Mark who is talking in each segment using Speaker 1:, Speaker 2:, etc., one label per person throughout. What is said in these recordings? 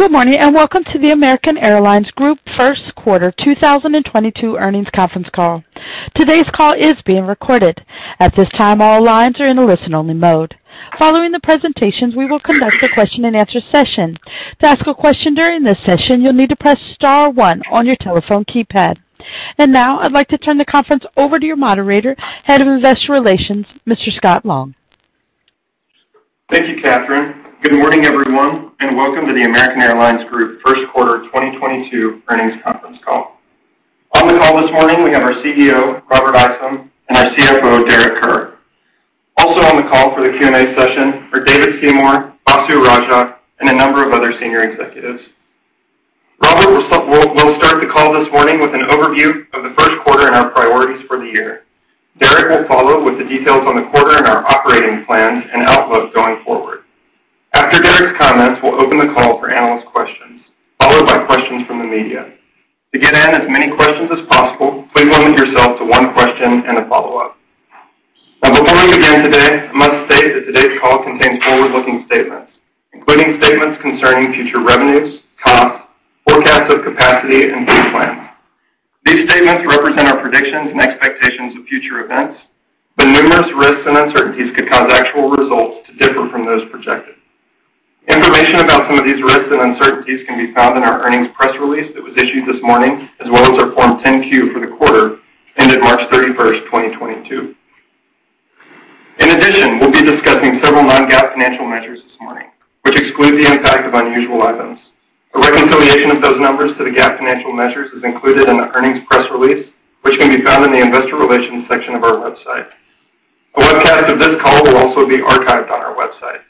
Speaker 1: Good morning, and welcome to the American Airlines Group Q1 2022 Earnings Conference Call. Today's call is being recorded. At this time, all lines are in a listen-only mode. Following the presentations, we will conduct a question-and-answer session. To ask a question during this session, you'll need to press star one on your telephone keypad. Now I'd like to turn the conference over to your moderator, Head of Investor Relations, Mr. Scott Long.
Speaker 2: Thank you, Catherine. Good morning, everyone, and welcome to the American Airlines Group Q1 2022 Earnings Conference Call. On the call this morning, we have our CEO, Robert Isom, and our CFO, Derek Kerr. Also, on the call for the Q&A session are David Seymour, Vasu Raja, and a number of other senior executives. Robert will start the call this morning with an overview of the Q1 and our priorities for the year. Derek will follow with the details on the quarter and our operating plans and outlook going forward. After Derek's comments, we'll open the call for analyst questions, followed by questions from the media. To get in as many questions as possible, please limit yourself to one question and a follow-up. Now, before we begin today, I must state that today's call contains forward-looking statements, including statements concerning future revenues, costs, forecasts of capacity, and fleet plans. These statements represent our predictions and expectations of future events, but numerous risks and uncertainties could cause actual results to differ from those projected. Information about some of these risks and uncertainties can be found in our earnings press release that was issued this morning, as well as our Form 10-Q, for the quarter ended March 31, 2022. In addition, we'll be discussing several non-GAAP financial measures this morning, which exclude the impact of unusual items. A reconciliation of those numbers to the GAAP financial measures is included in the earnings press release, which can be found in the investor relations section of our website. A webcast of this call will also be archived on our website.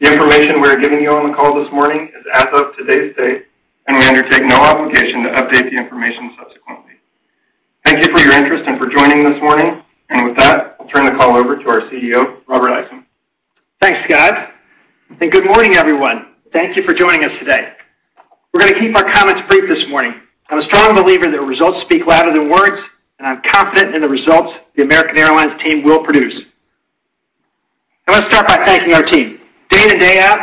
Speaker 2: The information we are giving you on the call this morning is as of today's date, and we undertake no obligation to update the information subsequently. Thank you for your interest and for joining this morning. With that, I'll turn the call over to our CEO, Robert Isom.
Speaker 3: Thanks, Scott, and good morning, everyone. Thank you for joining us today. We're gonna keep our comments brief this morning. I'm a strong believer that results speak louder than words, and I'm confident in the results the American Airlines team will produce. I want to start by thanking our team. Day in and day out,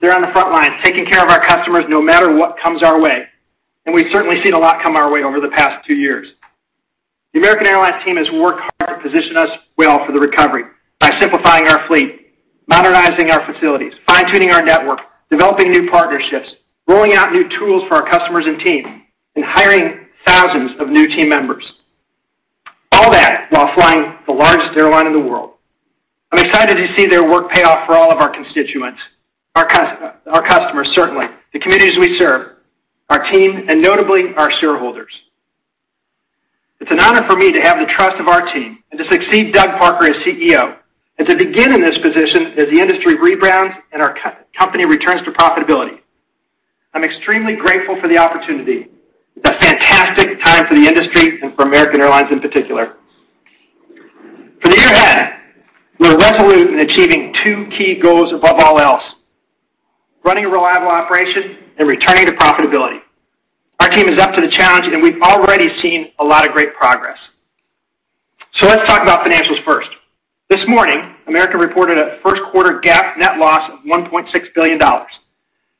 Speaker 3: they're on the front lines, taking care of our customers no matter what comes our way, and we've certainly seen a lot come our way over the past two years. The American Airlines team has worked hard to position us well for the recovery by simplifying our fleet, modernizing our facilities, fine-tuning our network, developing new partnerships, rolling out new tools for our customers and team, and hiring thousands of new team members. All that while flying the largest airline in the world. I'm excited to see their work pay off for all of our constituents, our customers, certainly, the communities we serve, our team, and notably, our shareholders. It's an honor for me to have the trust of our team and to succeed Doug Parker as CEO and to begin in this position as the industry rebounds and our company returns to profitability. I'm extremely grateful for the opportunity. It's a fantastic time for the industry and for American Airlines in particular. For the year ahead, we're resolute in achieving two key goals above all else, running a reliable operation and returning to profitability. Our team is up to the challenge, and we've already seen a lot of great progress. Let's talk about financials first. This morning, American reported a Q1 GAAP net loss of $1.6 billion.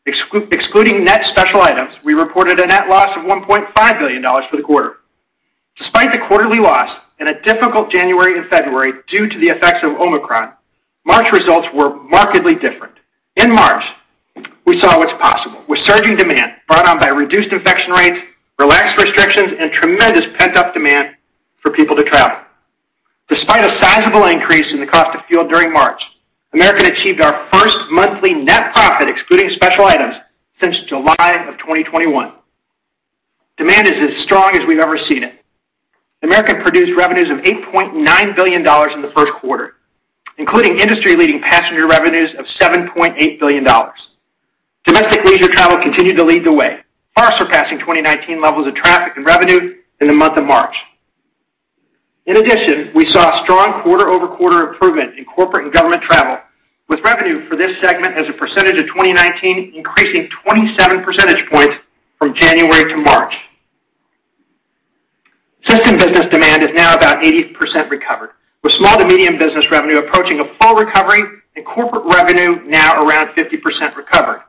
Speaker 3: Excluding net special items, we reported a net loss of $1.5 billion for the quarter. Despite the quarterly loss and a difficult January and February due to the effects of Omicron, March results were markedly different. In March, we saw what's possible with surging demand brought on by reduced infection rates, relaxed restrictions, and tremendous pent-up demand for people to travel. Despite a sizable increase in the cost of fuel during March, American achieved our first monthly net profit, excluding special items, since July of 2021. Demand is as strong as we've ever seen it. American produced revenues of $8.9 billion in the Q1, including industry-leading passenger revenues of $7.8 billion. Domestic leisure travel continued to lead the way, far surpassing 2019 levels of traffic and revenue in the month of March. In addition, we saw strong QoQ improvement in corporate and government travel, with revenue for this segment as a percentage of 2019 increasing 27% from January to March. System business demand is now about 80% recovered, with small-to-medium business revenue approaching a full recovery and corporate revenue now around 50% recovered.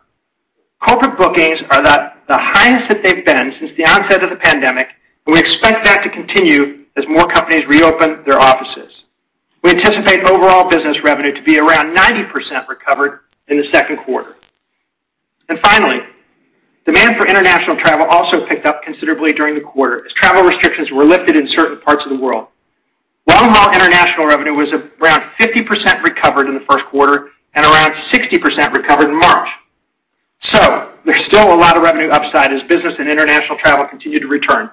Speaker 3: Corporate bookings are at the highest that they've been since the onset of the pandemic, and we expect that to continue as more companies reopen their offices. We anticipate overall business revenue to be around 90% recovered in the Q2. Demand for international travel also picked up considerably during the quarter as travel restrictions were lifted in certain parts of the world. Long-haul international revenue was around 50% recovered in the Q1 and around 60% recovered in March. There's still a lot of revenue upside as business and international travel continue to return.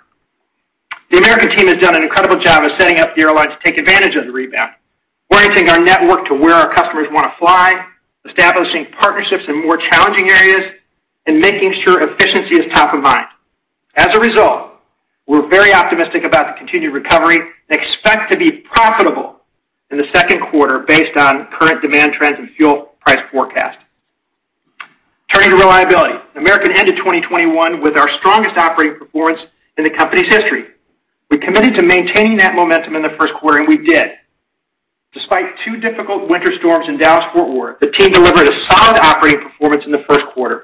Speaker 3: The American team has done an incredible job of setting up the airline to take advantage of the rebound, orienting our network to where our customers wanna fly, establishing partnerships in more challenging areas, and making sure efficiency is top of mind. As a result, we're very optimistic about the continued recovery and expect to be profitable in the Q2 based on current demand trends and fuel price forecast. Turning to reliability, American ended 2021 with our strongest operating performance in the company's history. We committed to maintaining that momentum in the Q1, and we did. Two difficult winter storms in Dallas-Fort Worth. The team delivered a solid operating performance in the Q1,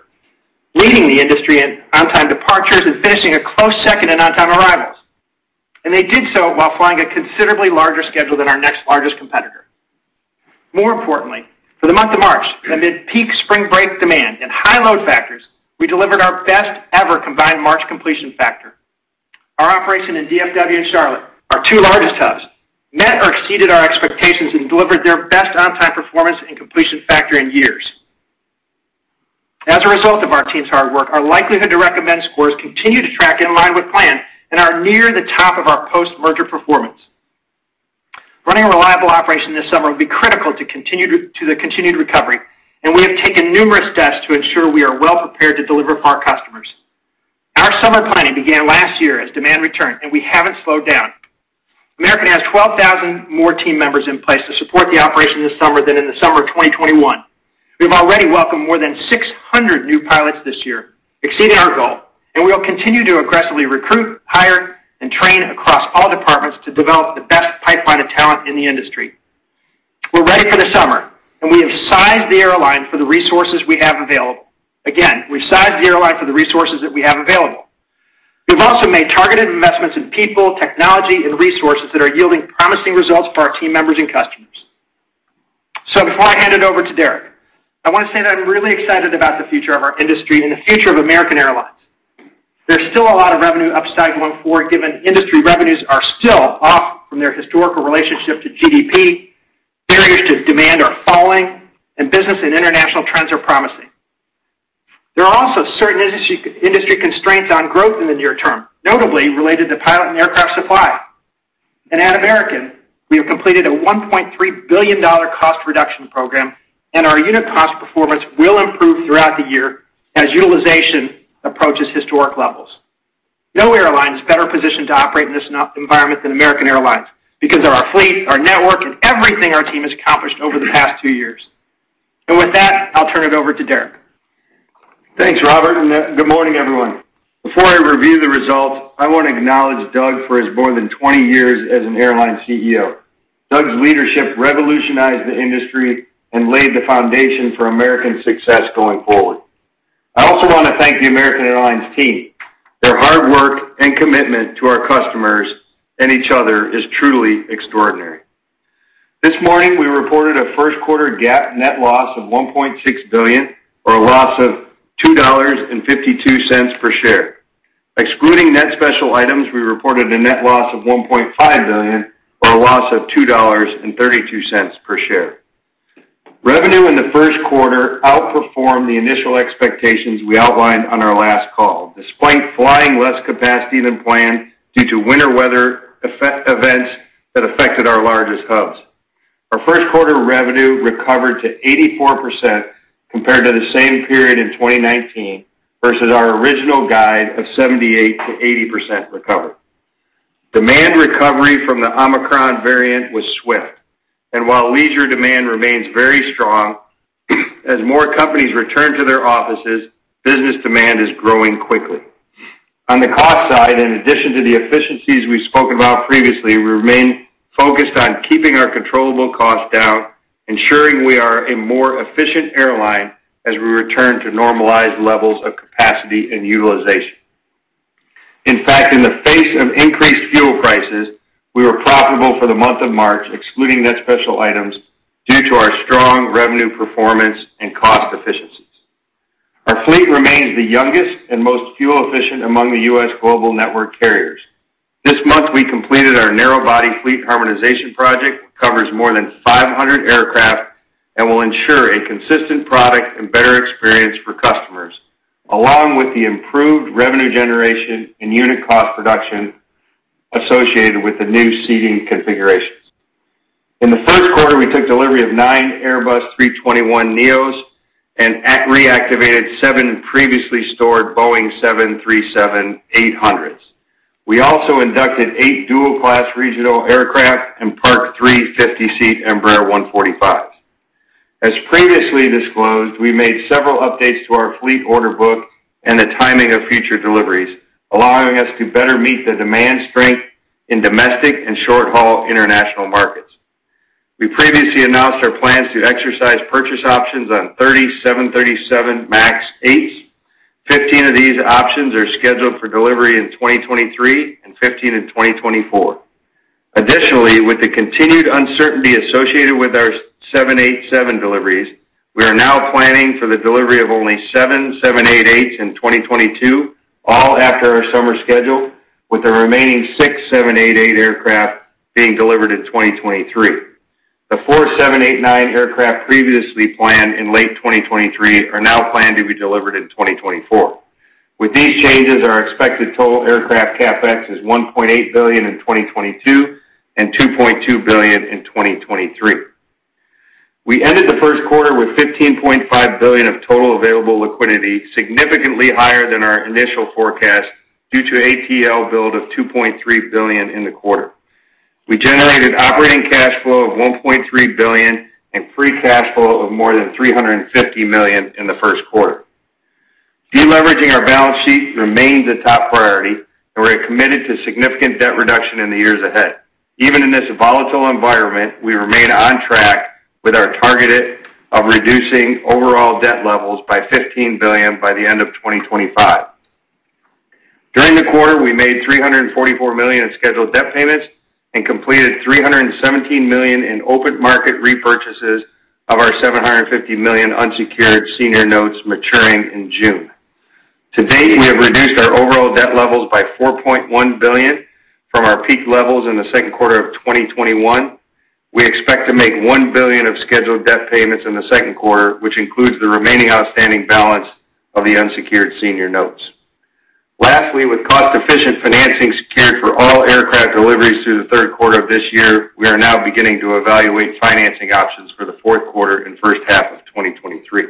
Speaker 3: leading the industry in on-time departures and finishing a close second in on-time arrivals. They did so while flying a considerably larger schedule than our next largest competitor. More importantly, for the month of March, amid peak spring break demand and high load factors, we delivered our best ever combined March completion factor. Our operation in DFW and Charlotte, our two largest hubs, met or exceeded our expectations and delivered their best on-time performance and completion factor in years. As a result of our team's hard work, our likelihood to recommend scores continue to track in line with plan and are near the top of our post-merger performance. Running a reliable operation this summer will be critical to the continued recovery, and we have taken numerous steps to ensure we are well prepared to deliver for our customers. Our summer planning began last year as demand returned, and we haven't slowed down. American has 12,000 more team members in place to support the operation this summer than in the summer of 2021. We've already welcomed more than 600 new pilots this year, exceeding our goal, and we will continue to aggressively recruit, hire, and train across all departments to develop the best pipeline of talent in the industry. We're ready for the summer, and we have sized the airline for the resources we have available. Again, we've sized the airline for the resources that we have available. We've also made targeted investments in people, technology and resources that are yielding promising results for our team members and customers. Before I hand it over to Derek, I want to say that I'm really excited about the future of our industry and the future of American Airlines. There's still a lot of revenue upside going forward, given industry revenues are still off from their historical relationship to GDP. Barriers to demand are falling and business and international trends are promising. There are also certain industry constraints on growth in the near term, notably related to pilot and aircraft supply. At American, we have completed a $1.3 billion cost reduction program, and our unit cost performance will improve throughout the year as utilization approaches historic levels. No airline is better positioned to operate in this environment than American Airlines because of our fleet, our network, and everything our team has accomplished over the past two years. With that, I'll turn it over to Derek.
Speaker 4: Thanks, Robert, and good morning, everyone. Before I review the results, I want to acknowledge Doug for his more than 20 years as an airline CEO. Doug's leadership revolutionized the industry and laid the foundation for American's success going forward. I also want to thank the American Airlines team. Their hard work and commitment to our customers and each other is truly extraordinary. This morning, we reported a Q1 GAAP net loss of $1.6 billion or a loss of $2.52 per share. Excluding net special items, we reported a net loss of $1.5 billion or a loss of $2.32 per share. Revenue in the Q1 outperformed the initial expectations we outlined on our last call, despite flying less capacity than planned due to winter weather events that affected our largest hubs. Our Q1 revenue recovered to 84% compared to the same period in 2019 versus our original guide of 78%-80% recovery. Demand recovery from the Omicron variant was swift, and while leisure demand remains very strong, as more companies return to their offices, business demand is growing quickly. On the cost side, in addition to the efficiencies we spoke about previously, we remain focused on keeping our controllable costs down, ensuring we are a more efficient airline as we return to normalized levels of capacity and utilization. In fact, in the face of increased fuel prices, we were profitable for the month of March, excluding net special items, due to our strong revenue performance and cost efficiencies. Our fleet remains the youngest and most fuel-efficient among the U.S. global network carriers. This month, we completed our narrow-body fleet harmonization project, which covers more than 500 aircraft and will ensure a consistent product and better experience for customers, along with the improved revenue generation and unit cost reduction associated with the new seating configurations. In the Q1, we took delivery of nine Airbus A321neos and reactivated seven previously stored Boeing 737-800s. We also inducted eight dual-class regional aircraft and parked three 50-seat Embraer ERJ 145s. As previously disclosed, we made several updates to our fleet order book and the timing of future deliveries, allowing us to better meet the demand strength in domestic and short-haul international markets. We previously announced our plans to exercise purchase options on 37 737 MAX 8s. 15 of these options are scheduled for delivery in 2023 and 15 in 2024. Additionally, with the continued uncertainty associated with our 787 deliveries, we are now planning for the delivery of only seven 787-8s in 2022, all after our summer schedule, with the remaining six 787-8 aircraft being delivered in 2023. The four 787-9 aircraft previously planned in late 2023 are now planned to be delivered in 2024. With these changes, our expected total aircraft CapEx is $1.8 billion in 2022 and $2.2 billion in 2023. We ended the Q1 with $15.5 billion of total available liquidity, significantly higher than our initial forecast due to ATL build of $2.3 billion in the quarter. We generated operating cash flow of $1.3 billion and free cash flow of more than $350 million in the Q1. Deleveraging our balance sheet remains a top priority, and we're committed to significant debt reduction in the years ahead. Even in this volatile environment, we remain on track with our target of reducing overall debt levels by $15 billion by the end of 2025. During the quarter, we made $344 million in scheduled debt payments and completed $317 million in open market repurchases of our $750 million unsecured senior notes maturing in June. To date, we have reduced our overall debt levels by $4.1 billion from our peak levels in the Q2 of 2021. We expect to make $1 billion of scheduled debt payments in the Q2, which includes the remaining outstanding balance of the unsecured senior notes. With cost-efficient financing secured for all aircraft deliveries through the Q3 of this year, we are now beginning to evaluate financing options for the Q4 and H1 of 2023.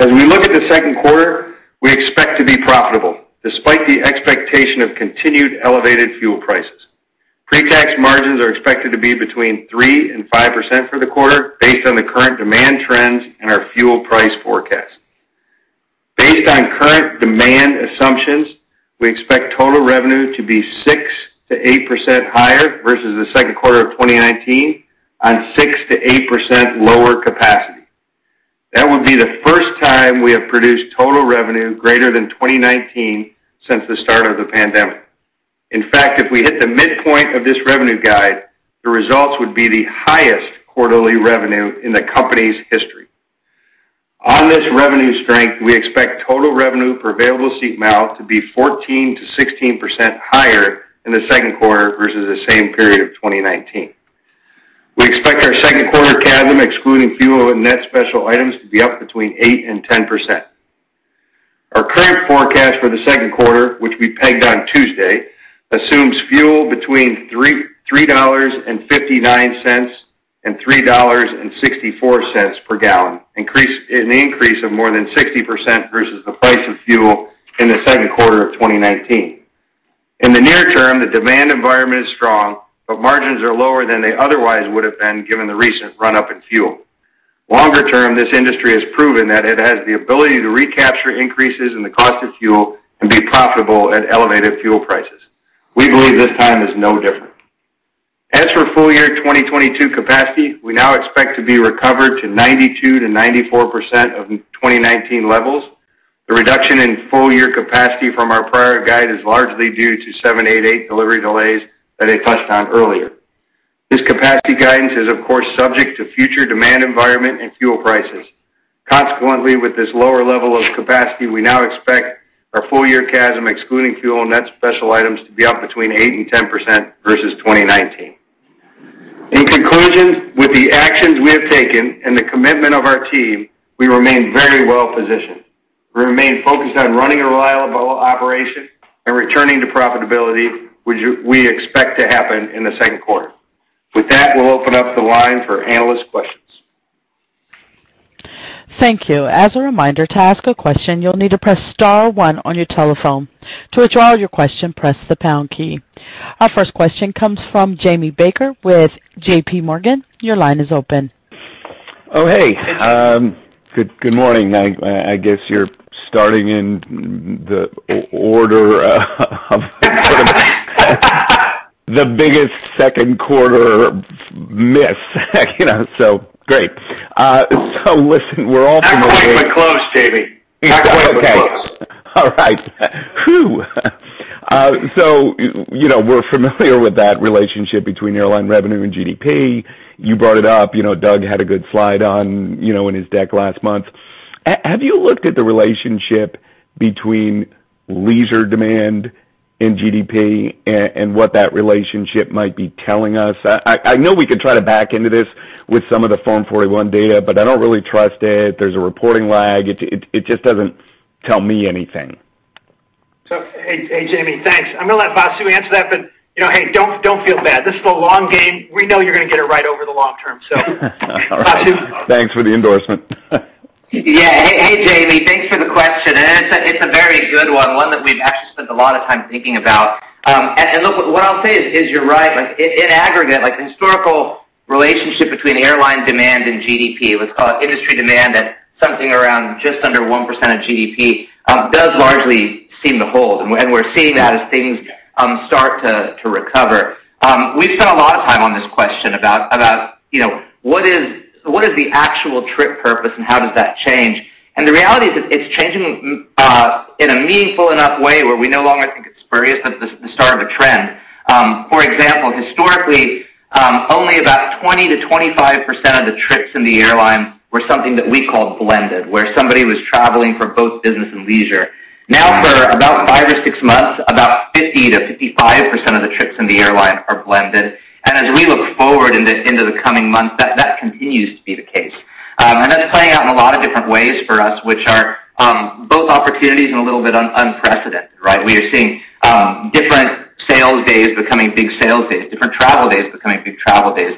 Speaker 4: We look at the Q2, we expect to be profitable despite the expectation of continued elevated fuel prices. Pre-tax margins are expected to be between 3%-5% for the quarter based on the current demand trends and our fuel price forecast. Based on current demand assumptions, we expect total revenue to be 6%-8% higher versus the second quarter of 2019 on 6%-8% lower capacity. That would be the first time we have produced total revenue greater than 2019 since the start of the pandemic. In fact, if we hit the midpoint of this revenue guide, the results would be the highest quarterly revenue in the company's history. On this revenue strength, we expect total revenue per available seat mile to be 14%-16% higher in the Q2 versus the same period of 2019. We expect our Q2 CASM, excluding fuel and net special items, to be up 8%-10%. Our current forecast for the Q2, which we pegged on Tuesday, assumes fuel between $3.59 and $3.64 per gallon, an increase of more than 60% versus the price of fuel in the Q2 of 2019. In the near term, the demand environment is strong, but margins are lower than they otherwise would have been, given the recent run-up in fuel. Longer term, this industry has proven that it has the ability to recapture increases in the cost of fuel and be profitable at elevated fuel prices. We believe this time is no different. As for full year 2022 capacity, we now expect to be recovered to 92%-94% of 2019 levels. The reduction in full year capacity from our prior guide is largely due to 787-8s delivery delays that I touched on earlier. This capacity guidance is of course subject to future demand environment and fuel prices. Consequently, with this lower level of capacity, we now expect our full year CASM, excluding fuel and net special items, to be up between 8% and 10% versus 2019. In conclusion, with the actions we have taken and the commitment of our team, we remain very well positioned. We remain focused on running a reliable operation and returning to profitability, which we expect to happen in the Q2. With that, we'll open up the line for analyst questions.
Speaker 1: Thank you. As a reminder, to ask a question, you'll need to press star one on your telephone. To withdraw your question, press the pound key. Our first question comes from Jamie Baker with J.P. Morgan. Your line is open.
Speaker 5: Hey, good morning. I guess you're starting in the order of the biggest Q2 miss, you know, so great. Listen, we're all familiar-
Speaker 4: Not quite, but close, Jamie.
Speaker 5: You know, we're familiar with that relationship between airline revenue and GDP. You brought it up. You know, Doug had a good slide on, you know, in his deck last month. Have you looked at the relationship between leisure demand and GDP and what that relationship might be telling us? I know we could try to back into this with some of the Form 41 data, but I don't really trust it. There's a reporting lag. It just doesn't tell me anything.
Speaker 4: Hey, Jamie, thanks. I'm gonna let Vasu answer that, but, you know, hey, don't feel bad. This is a long game. We know you're gonna get it right over the long term. Vasu.
Speaker 5: All right. Thanks for the endorsement.
Speaker 6: Yeah. Hey, Jamie, thanks for the question, and it's a very good one that we've actually spent a lot of time thinking about. Look, what I'll say is you're right. Like, in aggregate, like, historical relationship between airline demand and GDP, let's call it industry demand at something around just under 1% of GDP, does largely seem to hold, and we're seeing that as things start to recover. We've spent a lot of time on this question about, you know, what is the actual trip purpose and how does that change? The reality is that it's changing in a meaningful enough way where we no longer think it's spurious, but the start of a trend. For example, historically, only about 20%-25% of the trips in the airlines were something that we call blended, where somebody was traveling for both business and leisure. Now, for about five or six months, about 50%-55% of the trips in the airlines are blended. As we look forward into the coming months, that continues to be the case. That's playing out in a lot of different ways for us, which are both opportunities and a little bit unprecedented, right? We are seeing different sales days becoming big sales days, different travel days becoming big travel days.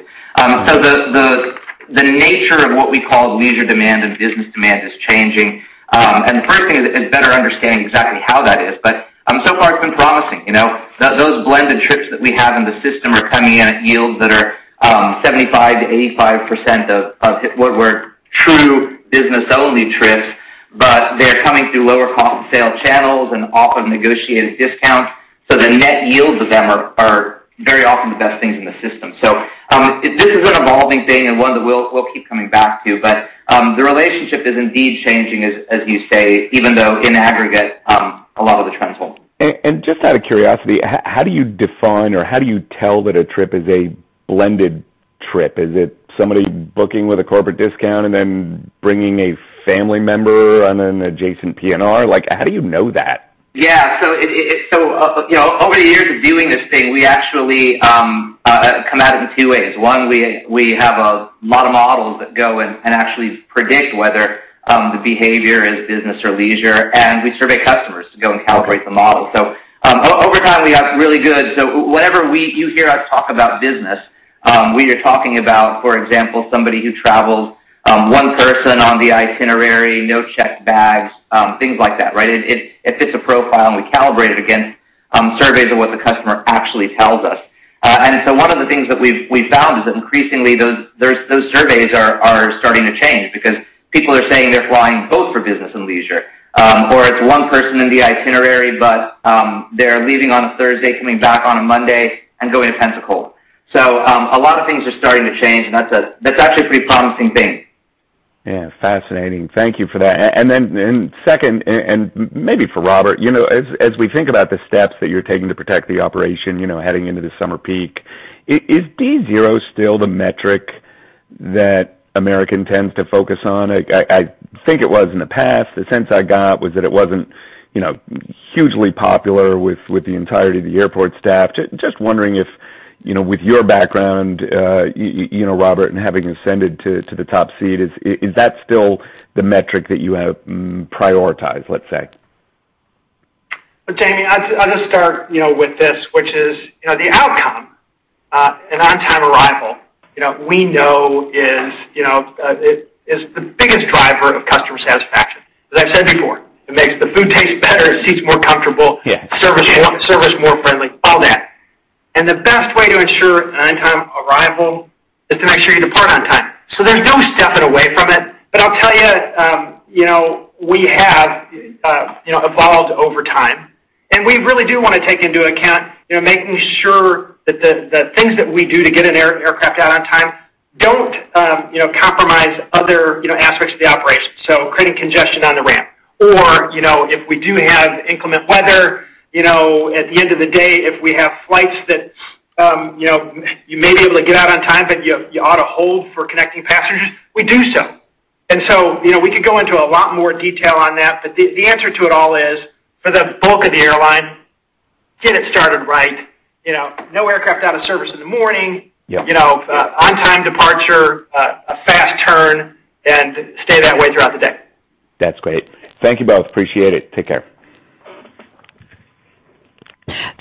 Speaker 6: The nature of what we call leisure demand and business demand is changing. The first thing is better understanding exactly how that is. So far it's been promising, you know. Those blended trips that we have in the system are coming in at yields that are 75%-85% of what were true business-only trips, but they're coming through lower cost sale channels and often negotiated discounts, so the net yields of them are very often the best things in the system. This is an evolving thing and one that we'll keep coming back to, but the relationship is indeed changing, as you say, even though in aggregate a lot of the trends hold.
Speaker 5: Just out of curiosity, how do you define or how do you tell that a trip is a blended trip? Is it somebody booking with a corporate discount and then bringing a family member on an adjacent PNR? Like, how do you know that?
Speaker 6: Yeah, you know, over the years of doing this thing, we actually come at it in two ways. One, we have a lot of models that go and actually predict whether the behavior is business or leisure, and we survey customers to go and calibrate the model. Over time, we got really good. Whenever you hear us talk about business, we are talking about, for example, somebody who traveled one person on the itinerary, no checked bags, things like that, right? It fits a profile, and we calibrate it against surveys of what the customer actually tells us. One of the things that we've found is that increasingly those surveys are starting to change because people are saying they're flying both for business and leisure. Or it's one person in the itinerary, but they're leaving on a Thursday, coming back on a Monday, and going to Pensacola. A lot of things are starting to change, and that's actually a pretty promising thing.
Speaker 5: Yeah. Fascinating. Thank you for that. Second, maybe for Robert, you know, as we think about the steps that you're taking to protect the operation, you know, heading into the summer peak, is D0 still the metric that American tends to focus on? I think it was in the past. The sense I got was that it wasn't, you know, hugely popular with the entirety of the airport staff. Just wondering if, you know, with your background, you know, Robert, and having ascended to the top seat, is that still the metric that you have prioritized, let's say?
Speaker 3: Jamie, I'll just start, you know, with this, which is, you know, the outcome, an on-time arrival, you know, we know is the biggest driver of customer satisfaction. As I've said before, it makes the food taste better, the seats more comfortable.
Speaker 5: Yeah.
Speaker 3: service more, service more friendly, all that. The best way to ensure an on-time arrival is to make sure you depart on time. There's no stepping away from it. I'll tell you know, we have, you know, evolved over time, and we really do wanna take into account, you know, making sure that the things that we do to get an aircraft out on time don't, you know, compromise other, you know, aspects of the operation. Creating congestion on the ramp or, you know, if we do have inclement weather, you know, at the end of the day, if we have flights that, you know, you may be able to get out on time, but you ought to hold for connecting passengers, we do so. You know, we could go into a lot more detail on that, but the answer to it all is, for the bulk of the airline, get it started right. You know, no aircraft out of service in the morning.
Speaker 5: Yeah.
Speaker 3: You know, on-time departure, a fast turn, and stay that way throughout the day.
Speaker 5: That's great. Thank you both. Appreciate it. Take care.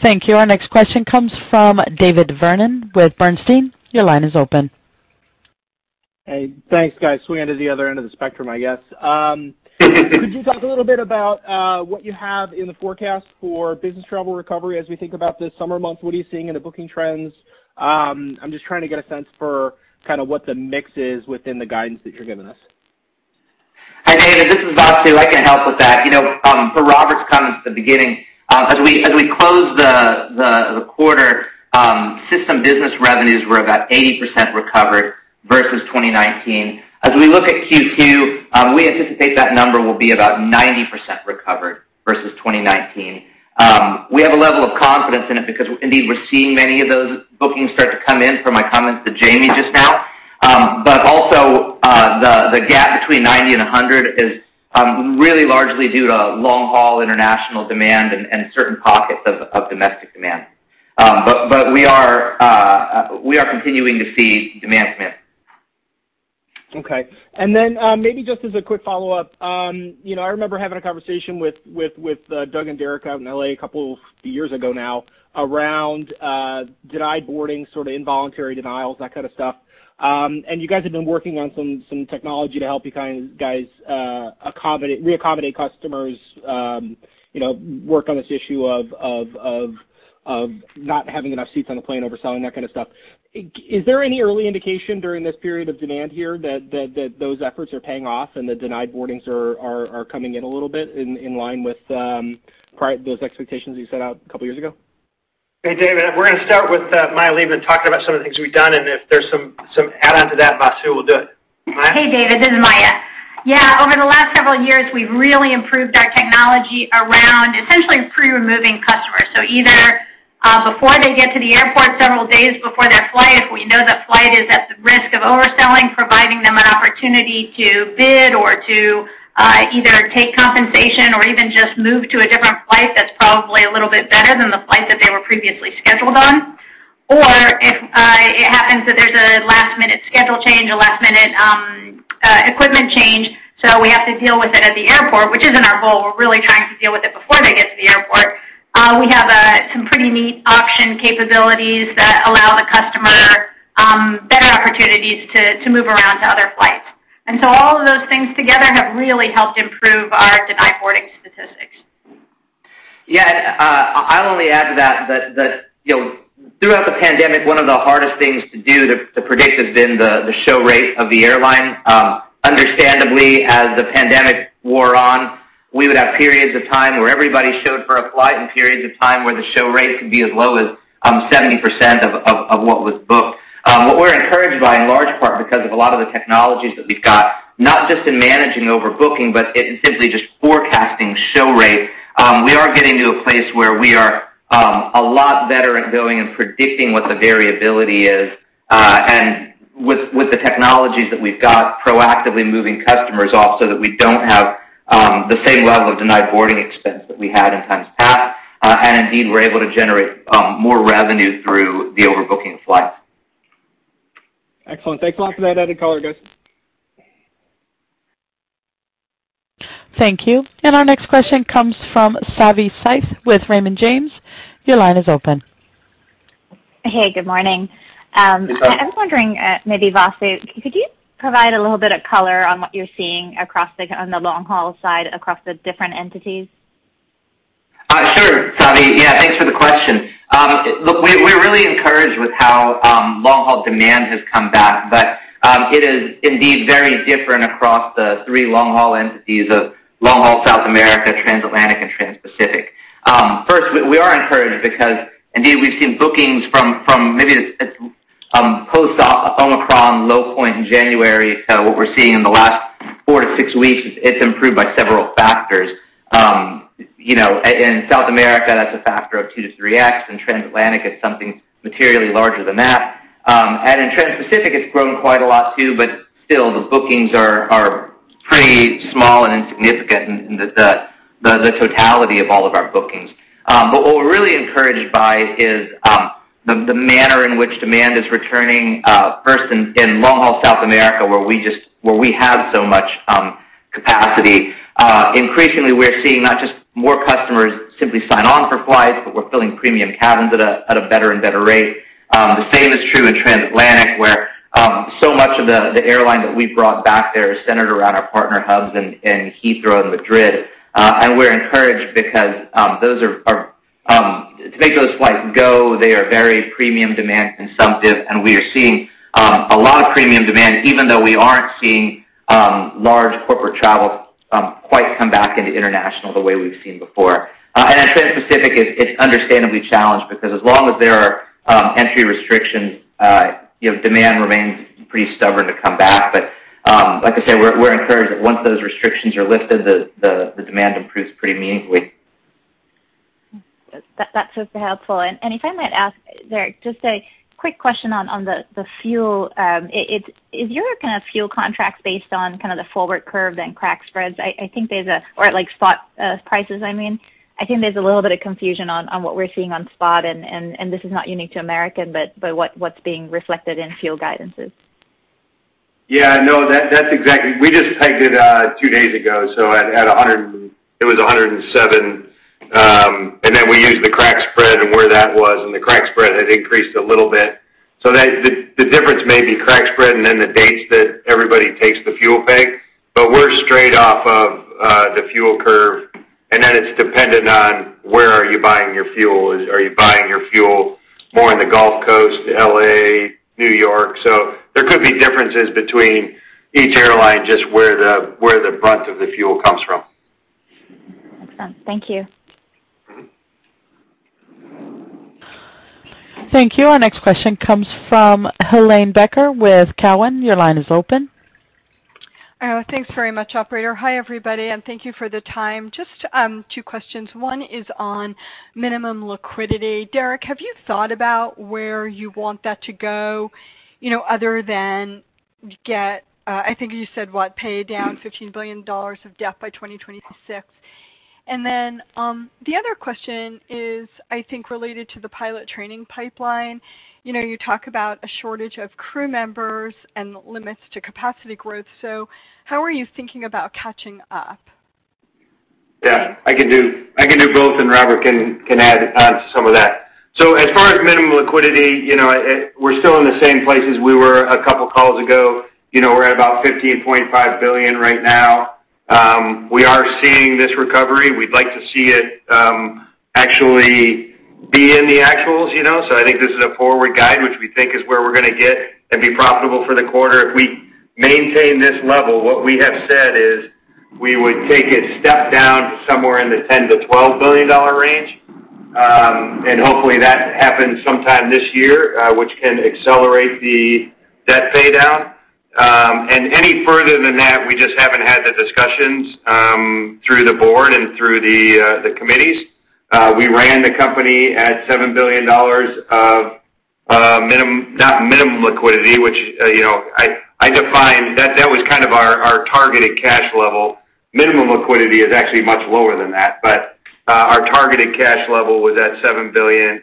Speaker 1: Thank you. Our next question comes from David Vernon with Bernstein. Your line is open.
Speaker 7: Hey, thanks, guys. Swinging to the other end of the spectrum, I guess. Could you talk a little bit about what you have in the forecast for business travel recovery as we think about the summer months? What are you seeing in the booking trends? I'm just trying to get a sense for kinda what the mix is within the guidance that you're giving us.
Speaker 6: Hi, David, this is Vasu. I can help with that. You know, for Robert's comments at the beginning, as we close the quarter, system business revenues were about 80% recovered versus 2019. As we look at Q2, we anticipate that number will be about 90% recovered versus 2019. We have a level of confidence in it because indeed we're seeing many of those bookings start to come in from my comments to Jamie just now. Also, the gap between 90 and 100 is really largely due to long-haul international demand and certain pockets of domestic demand. We are continuing to see demand come in.
Speaker 7: Okay. Maybe just as a quick follow-up, you know, I remember having a conversation with Doug and Derek out in L.A. a couple years ago now around denied boarding, sorta involuntary denials, that kind of stuff. You guys have been working on some technology to help you kind of guys accommodate, re-accommodate customers, you know, work on this issue of not having enough seats on the plane, overselling, that kind of stuff. Is there any early indication during this period of demand here that those efforts are paying off and the denied boardings are coming in a little bit in line with those expectations you set out a couple years ago?
Speaker 3: Hey, David, we're gonna start with Maya Leibman talking about some of the things we've done, and if there's some add-on to that, Vasu will do it. Maya?
Speaker 8: Hey, David, this is Maya. Yeah, over the last several years, we've really improved our technology around essentially pre-removing customers. Either before they get to the airport several days before their flight, if we know that flight is at the risk of overselling, providing them an opportunity to bid or to either take compensation or even just move to a different flight that's probably a little bit better than the flight that they were previously scheduled on. Or if it happens that there's a last-minute schedule change, a last-minute equipment change, so we have to deal with it at the airport, which isn't our goal. We're really trying to deal with it before they get to the airport. We have some pretty neat option capabilities that allow the customer better opportunities to move around to other flights. All of those things together have really helped improve our denied boarding.
Speaker 6: I’ll only add to that, you know, throughout the pandemic, one of the hardest things to predict has been the show rate of the airline. Understandably, as the pandemic wore on, we would have periods of time where everybody showed for a flight and periods of time where the show rate could be as low as 70% of what was booked. What we're encouraged by, in large part because of a lot of the technologies that we've got, not just in managing overbooking, but in simply just forecasting show rate, we are getting to a place where we are a lot better at going and predicting what the variability is, and with the technologies that we've got, proactively moving customers off so that we don't have the same level of denied boarding expense that we had in times past, and indeed, we're able to generate more revenue through the overbooking flights.
Speaker 7: Excellent. Thanks a lot for that added color, guys.
Speaker 1: Thank you. Our next question comes from Savanthi Syth with Raymond James. Your line is open.
Speaker 9: Hey, good morning.
Speaker 6: Good morning.
Speaker 9: I was wondering, maybe, Vasu, could you provide a little bit of color on what you're seeing on the long-haul side across the different entities?
Speaker 6: Sure, Savi. Yeah, thanks for the question. Look, we're really encouraged with how long-haul demand has come back, but it is indeed very different across the three long-haul entities of long-haul South America, Transatlantic, and Transpacific. First, we are encouraged because indeed we've seen bookings from maybe this post-Omicron low point in January to what we're seeing in the last four to six weeks. It's improved by several factors. You know, in South America, that's a factor of 2-3x. In Transatlantic, it's something materially larger than that. In Transpacific, it's grown quite a lot too, but still, the bookings are pretty small and insignificant in the totality of all of our bookings. What we're really encouraged by is the manner in which demand is returning first in long-haul South America, where we have so much capacity. Increasingly, we're seeing not just more customers simply sign on for flights, but we're filling premium cabins at a better and better rate. The same is true in transatlantic, where so much of the airline that we've brought back there is centered around our partner hubs in Heathrow and Madrid. We're encouraged because to make those flights go, they are very premium demand consumptive, and we are seeing a lot of premium demand, even though we aren't seeing large corporate travel quite come back into international the way we've seen before. Transpacific is, it's understandably challenged because as long as there are entry restrictions, you know, demand remains pretty stubborn to come back. Like I said, we're encouraged that once those restrictions are lifted, the demand improves pretty meaningfully.
Speaker 9: That's super helpful. If I might ask, Derek, just a quick question on the fuel. Is your kind of fuel contracts based on kind of the forward curve then crack spreads? I think there's a or like spot prices, I mean. I think there's a little bit of confusion on what we're seeing on spot and this is not unique to American, but what's being reflected in fuel guidances.
Speaker 4: That's exactly. We just pegged it two days ago, so at a hundred. It was 107, and then we used the crack spread and where that was, and the crack spread had increased a little bit. The difference may be crack spread and then the dates that everybody takes the fuel peg. But we're straight off of the fuel curve, and then it's dependent on where are you buying your fuel. Are you buying your fuel more in the Gulf Coast, L.A., New York? There could be differences between each airline, just where the brunt of the fuel comes from.
Speaker 9: Makes sense. Thank you.
Speaker 1: Thank you. Our next question comes from Helane Becker with Cowen. Your line is open.
Speaker 10: Thanks very much, operator. Hi, everybody, and thank you for the time. Just two questions. One is on minimum liquidity. Derek, have you thought about where you want that to go, you know, other than get, I think you said, what, pay down $15 billion of debt by 2026? Then the other question is, I think, related to the pilot training pipeline. You know, you talk about a shortage of crew members and limits to capacity growth. How are you thinking about catching up?
Speaker 4: Yeah, I can do both, and Robert can add on to some of that. As far as minimum liquidity, you know, we're still in the same place as we were a couple of calls ago. You know, we're at about $15.5 billion right now. We are seeing this recovery. We'd like to see it actually be in the actuals, you know. I think this is a forward guide, which we think is where we're gonna get and be profitable for the quarter. If we maintain this level, what we have said is we would take it step down to somewhere in the $10 billion-$12 billion range, and hopefully that happens sometime this year, which can accelerate the debt paydown. Any further than that, we just haven't had the discussions through the board and through the committees. We ran the company at $7 billion of not minimum liquidity, which you know I define that was kind of our targeted cash level. Minimum liquidity is actually much lower than that. Our targeted cash level was at $7 billion.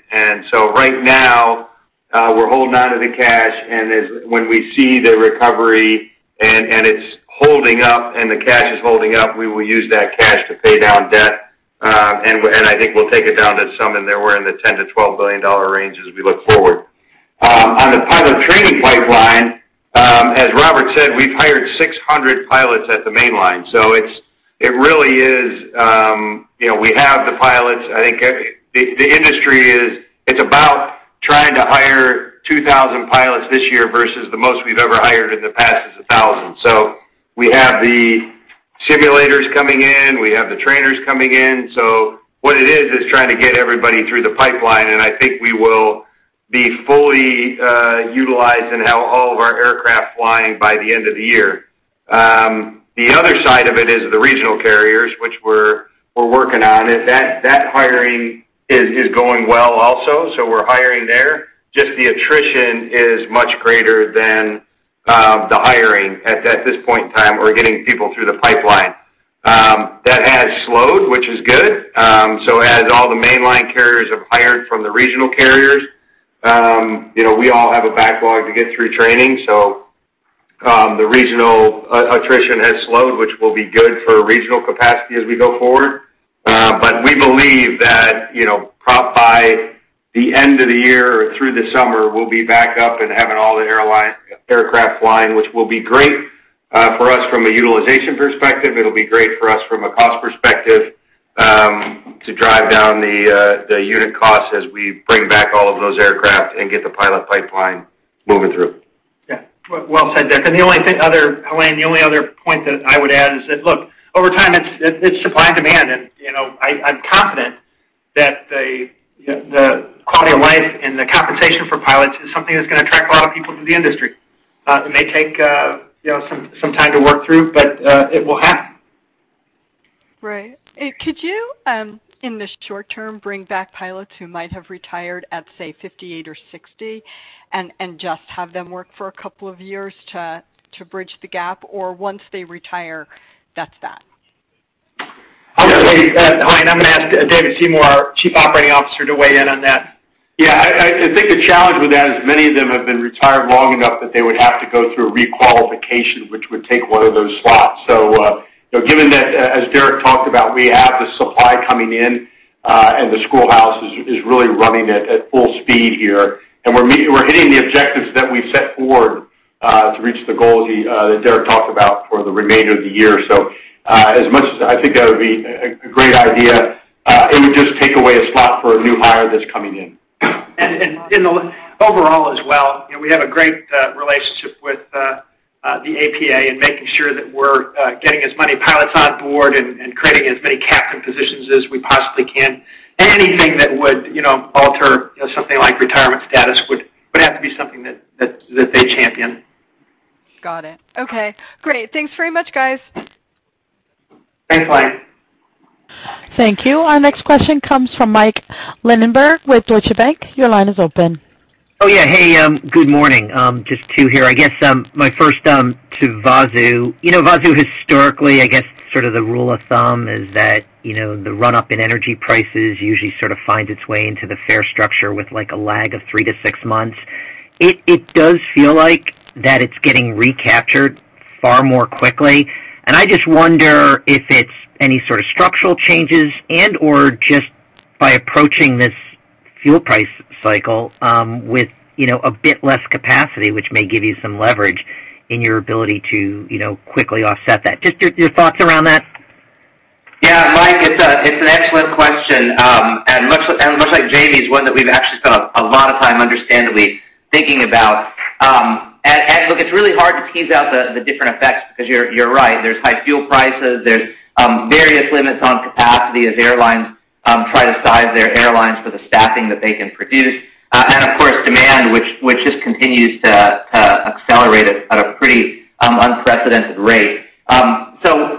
Speaker 4: Right now we're holding onto the cash, and when we see the recovery and it's holding up and the cash is holding up, we will use that cash to pay down debt. I think we'll take it down to somewhere in the $10-$12 billion range as we look forward. Pipeline. As Robert said, we've hired 600 pilots at the mainline. It really is, you know, we have the pilots. I think the industry is about trying to hire 2,000 pilots this year versus the most we've ever hired in the past is 1,000. We have the simulators coming in, we have the trainers coming in. What it is is trying to get everybody through the pipeline, and I think we will be fully utilized and have all of our aircraft flying by the end of the year. The other side of it is the regional carriers, which we're working on, is that hiring is going well also. We're hiring there. Just the attrition is much greater than the hiring at this point in time or getting people through the pipeline. That has slowed, which is good. As all the mainline carriers have hired from the regional carriers, you know, we all have a backlog to get through training. The regional attrition has slowed, which will be good for regional capacity as we go forward. We believe that, you know, by the end of the year or through the summer, we'll be back up and having all the aircraft flying, which will be great for us from a utilization perspective. It'll be great for us from a cost perspective to drive down the unit costs as we bring back all of those aircraft and get the pilot pipeline moving through.
Speaker 3: Well said, Derek. The only other thing, Helane, the only other point that I would add is that, look, over time, it's supply and demand. You know, I'm confident that the quality of life and the compensation for pilots is something that's gonna attract a lot of people to the industry. It may take, you know, some time to work through, but it will happen.
Speaker 10: Right. Could you, in the short term, bring back pilots who might have retired at, say, 58 or 60 and just have them work for a couple of years to bridge the gap, or once they retire, that's that?
Speaker 3: I'm gonna say, Helane, I'm gonna ask David Seymour, our Chief Operating Officer, to weigh in on that.
Speaker 11: Yeah. I think the challenge with that is many of them have been retired long enough that they would have to go through a requalification, which would take one of those slots. You know, given that, as Derek talked about, we have the supply coming in, and the schoolhouse is really running at full speed here. We're hitting the objectives that we set forward to reach the goals he that Derek talked about for the remainder of the year. As much as I think that would be a great idea, it would just take away a slot for a new hire that's coming in.
Speaker 3: Overall as well, you know, we have a great relationship with the APA in making sure that we're getting as many pilots on board and creating as many captain positions as we possibly can. Anything that would, you know, alter, you know, something like retirement status would have to be something that they champion.
Speaker 10: Got it. Okay, great. Thanks very much, guys.
Speaker 4: Thanks, Helane.
Speaker 1: Thank you. Our next question comes from Michael Linenberg with Deutsche Bank. Your line is open.
Speaker 12: Good morning. Just two here. I guess my first to Vasu. You know, Vasu, historically, I guess sort of the rule of thumb is that, you know, the run-up in energy prices usually sort of finds its way into the fare structure with like a lag of three to six months. It does feel like it's getting recaptured far more quickly. I just wonder if it's any sort of structural changes and/or just by approaching this fuel price cycle, with, you know, a bit less capacity, which may give you some leverage in your ability to, you know, quickly offset that. Just your thoughts around that.
Speaker 6: Yeah, Mike, it's an excellent question. Much like Jamie's, one that we've actually spent a lot of time understandably thinking about. Look, it's really hard to tease out the different effects because you're right. There's high fuel prices, there's various limits on capacity as airlines try to size their airlines for the staffing that they can produce. Of course, demand, which just continues to accelerate at a pretty unprecedented rate.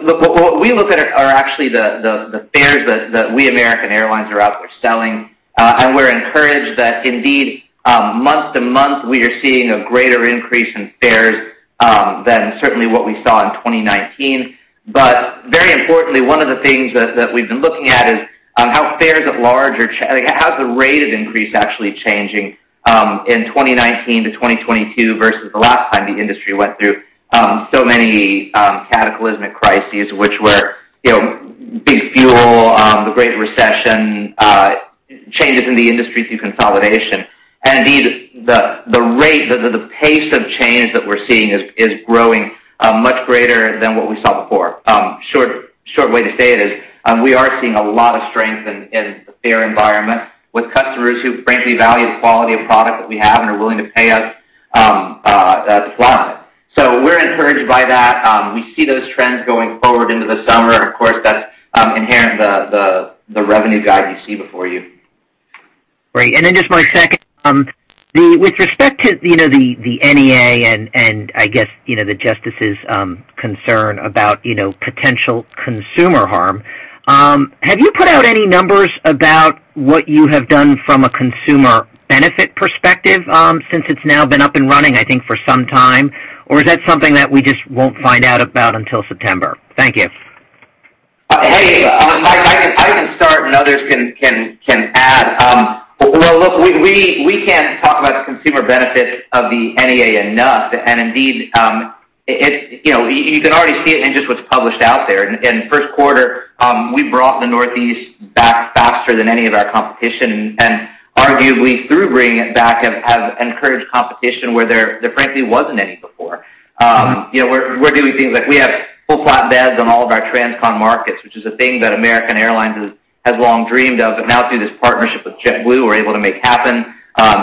Speaker 6: Look, what we look at are actually the fares that we American Airlines are out there selling. We're encouraged that indeed, month to month, we are seeing a greater increase in fares than certainly what we saw in 2019. Very importantly, one of the things that we've been looking at is how fares at large are—like, how is the rate of increase actually changing in 2019 to 2022 versus the last time the industry went through so many cataclysmic crises, which were, you know, big fuel, the Great Recession, changes in the industry through consolidation. Indeed, the pace of change that we're seeing is growing much greater than what we saw before. Short way to say it is, we are seeing a lot of strength in the fare environment with customers who frankly value the quality of product that we have and are willing to pay us a lot. We're encouraged by that. We see those trends going forward into the summer, and of course, that's inherent in the revenue guide you see before you.
Speaker 12: Great. Just my second, with respect to, you know, the NEA and I guess, you know, the Justice's concern about, you know, potential consumer harm, have you put out any numbers about what you have done from a consumer benefit perspective, since it's now been up and running, I think, for some time, or is that something that we just won't find out about until September? Thank you.
Speaker 6: Hey, Mike, I can start and others can add. Well, look, we can't talk about the consumer benefit of the NEA enough. Indeed, it, you know, you can already see it in just what's published out there. In the Q1, we brought the Northeast back faster than any of our competition, and arguably through bringing it back, have encouraged competition where there frankly wasn't any before. You know, we're doing things like we have full flat beds on all of our Transcon markets, which is a thing that American Airlines has long dreamed of, but now through this partnership with JetBlue, we're able to make happen.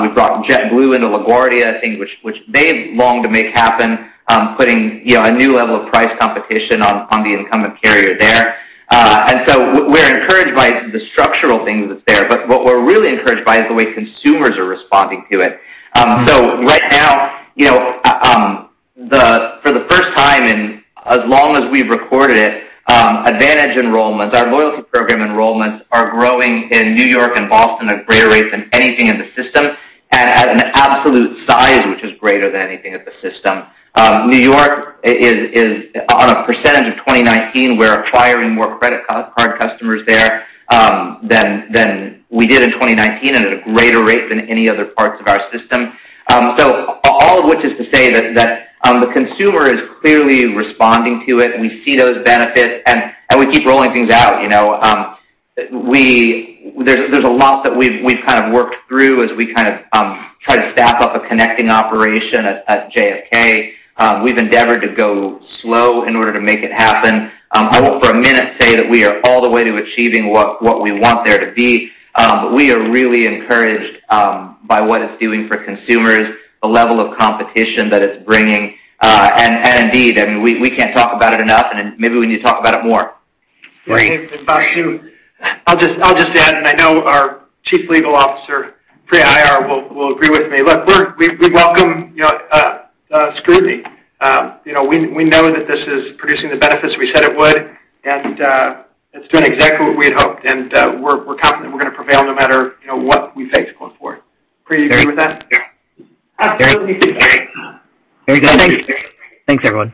Speaker 6: We've brought JetBlue into LaGuardia, a thing which they've longed to make happen, putting, you know, a new level of price competition on the incumbent carrier there. We're encouraged by the structural things that's there. What we're really encouraged by is the way consumers are responding to it. Right now, you know, for the first time in as long as we've recorded it, AAdvantage enrollments, our loyalty program enrollments are growing in New York and Boston at greater rates than anything in the system, and at an absolute size which is greater than anything in the system. New York is on a percentage of 2019, we're acquiring more credit card customers there than we did in 2019 at a greater rate than any other parts of our system. All of which is to say that the consumer is clearly responding to it, and we see those benefits and we keep rolling things out, you know, there's a lot that we've kind of worked through as we kind of try to staff up a connecting operation at JFK. We've endeavored to go slow in order to make it happen. I won't for a minute say that we are all the way to achieving what we want there to be. We are really encouraged by what it's doing for consumers, the level of competition that it's bringing. Indeed, I mean, we can't talk about it enough, and maybe we need to talk about it more.
Speaker 12: Great.
Speaker 3: I'll just add, and I know our Chief Legal Officer, Priya Aiyar, will agree with me. Look, we welcome, you know, scrutiny. You know, we know that this is producing the benefits we said it would, and it's doing exactly what we had hoped, and we're confident we're gonna prevail no matter, you know, what we face going forward. Priya, you agree with that?
Speaker 6: Absolutely.
Speaker 12: Very good. Thanks. Thanks, everyone.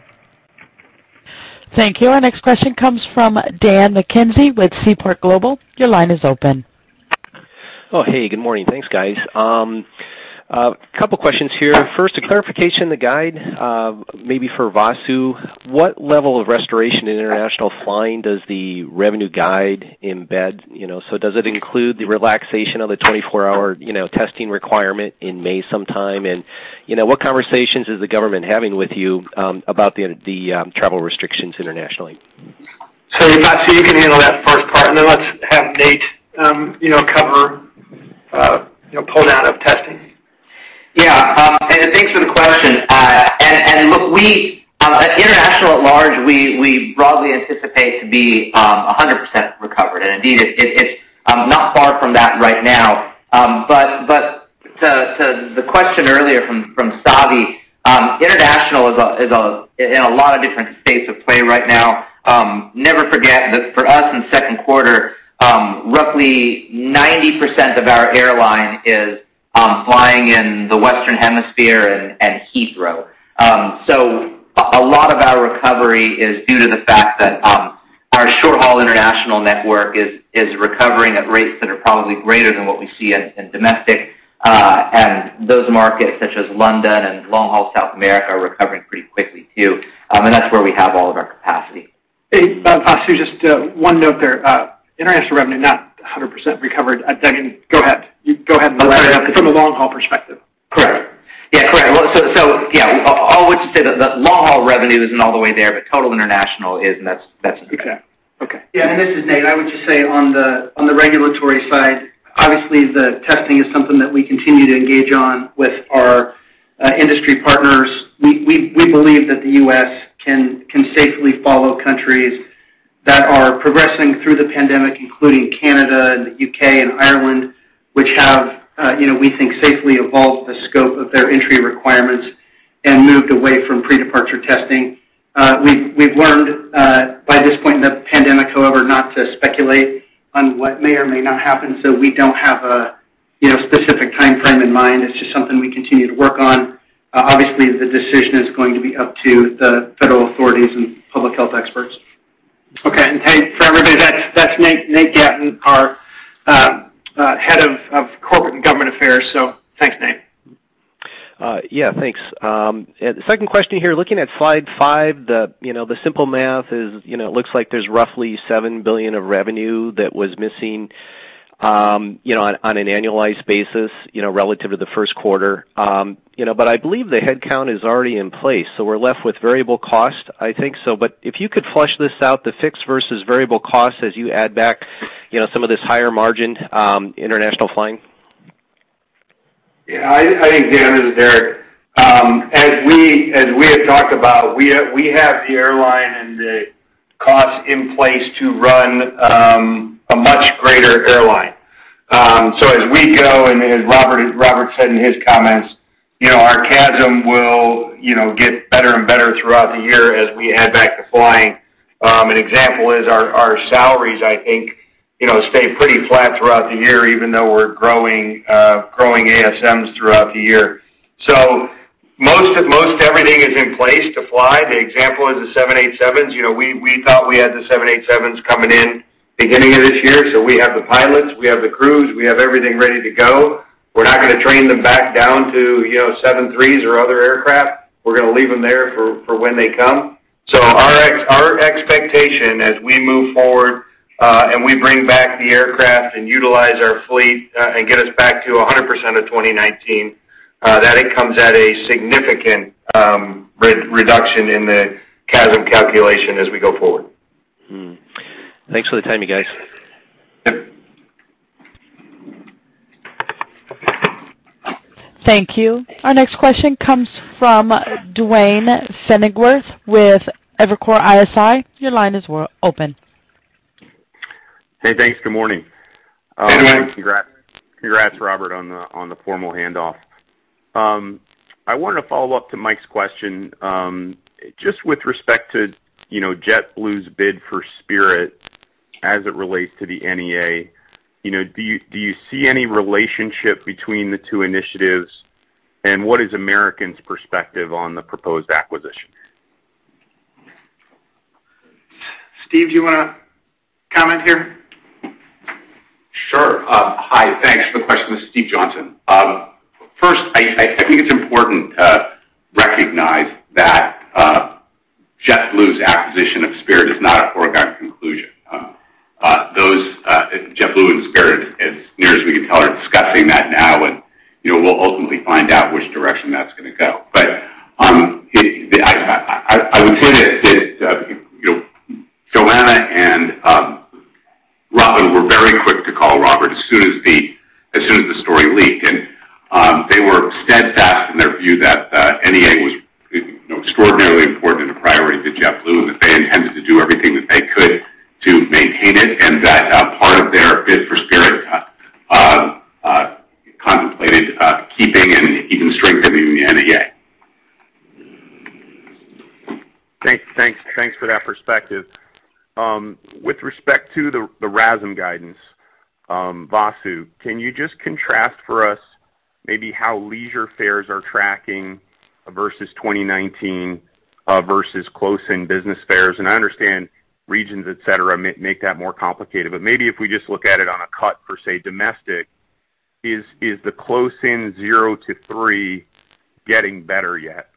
Speaker 1: Thank you. Our next question comes from Dan McKenzie with Seaport Global. Your line is open.
Speaker 13: Oh, hey, good morning. Thanks, guys. A couple questions here. First, a clarification, the guide, maybe for Vasu. What level of restoration in international flying does the revenue guide embed, you know? Does it include the relaxation of the 24-hour, you know, testing requirement in May sometime? You know, what conversations is the government having with you about the travel restrictions internationally?
Speaker 3: Vasu, you can handle that first part, and then let's have Nate, you know, cover, you know, rundown of testing.
Speaker 6: Yeah. Thanks for the question. Look, we at international at large broadly anticipate to be 100% recovered. Indeed, it's not far from that right now. To the question earlier from Savi, international is in a lot of different states of play right now. Never forget that for us in second quarter, roughly 90% of our airline is flying in the Western Hemisphere and Heathrow. A lot of our recovery is due to the fact that our short-haul international network is recovering at rates that are probably greater than what we see in domestic. Those markets, such as London and long-haul South America, are recovering pretty quickly too. That's where we have all of our capacity.
Speaker 3: Hey, Vasu, just one note there. International revenue, not 100% recovered. Doug, go ahead. From a long-haul perspective.
Speaker 6: Correct. Yeah, correct. Well, so yeah, all would say that the long-haul revenue isn't all the way there, but total international is, and that's okay.
Speaker 13: Exactly. Okay.
Speaker 14: Yeah. This is Nate. I would just say on the regulatory side, obviously the testing is something that we continue to engage on with our industry partners. We believe that the U.S. can safely follow countries that are progressing through the pandemic, including Canada and the U.K. and Ireland, which have, you know, we think, safely evolved the scope of their entry requirements and moved away from pre-departure testing. We've learned by this point in the pandemic, however, not to speculate on what may or may not happen, so we don't have you know, specific timeframe in mind. It's just something we continue to work on. Obviously, the decision is going to be up to the federal authorities and public health experts.
Speaker 3: Okay. Hey, for everybody, that's Nate Gatten, our head of Corporate and Government Affairs. Thanks, Nate.
Speaker 13: Yeah, thanks. Second question here. Looking at slide five, you know, the simple math is, you know, it looks like there's roughly $7 billion of revenue that was missing, you know, on an annualized basis, you know, relative to the Q1. You know, but I believe the headcount is already in place, so we're left with variable cost, I think so. If you could flesh this out, the fixed versus variable costs as you add back, you know, some of this higher margin, international flying.
Speaker 4: Yeah, I think Dan is there. As we have talked about, we have the airline and the costs in place to run a much greater airline. As we go, and as Robert said in his comments, you know, our CASM will, you know, get better and better throughout the year as we add back to flying. An example is our salaries. I think, you know, they stay pretty flat throughout the year, even though we're growing ASMs throughout the year. Most everything is in place to fly. The example is the 787s. You know, we thought we had the 787s coming in beginning of this year. We have the pilots, we have the crews, we have everything ready to go. We're not gonna train them back down to, you know, 737s or other aircraft. We're gonna leave them there for when they come. Our expectation as we move forward, and we bring back the aircraft and utilize our fleet, and get us back to 100% of 2019, that it comes at a significant reduction in the CASM calculation as we go forward.
Speaker 13: Thanks for the time you guys.
Speaker 4: Yep.
Speaker 1: Thank you. Our next question comes from Duane Pfennigwerth with Evercore ISI. Your line is open.
Speaker 15: Hey, thanks. Good morning.
Speaker 4: Good morning.
Speaker 15: Congrats, Robert, on the formal handoff. I wanted to follow up to Mike's question, just with respect to, you know, JetBlue's bid for Spirit as it relates to the NEA. You know, do you see any relationship between the two initiatives, and what is American's perspective on the proposed acquisition?
Speaker 4: Steve, do you wanna comment here?
Speaker 16: Sure. Hi. Thanks for the question. This is Stephen Johnson. First, I think it's important to recognize that JetBlue's acquisition of Spirit is not a foregone conclusion. JetBlue and Spirit, as near as we can tell, are discussing that now, and you know, we'll ultimately find out which direction that's gonna go. I would say that you know, Joanna and Robin were very quick to call Robert as soon as the story leaked. They were steadfast in their view that NEA was you know, extraordinarily important and a priority to JetBlue, and that they intended to do everything that they could to maintain it, and that part of their bid for Spirit contemplated keeping and even strengthening the NEA.
Speaker 15: Thanks for that perspective. With respect to the RASM guidance, Vasu, can you just contrast for us maybe how leisure fares are tracking versus 2019 versus close-in business fares? I understand regions, et cetera, make that more complicated. Maybe if we just look at it on a cut per se domestic, is the close-in zero to three getting better yet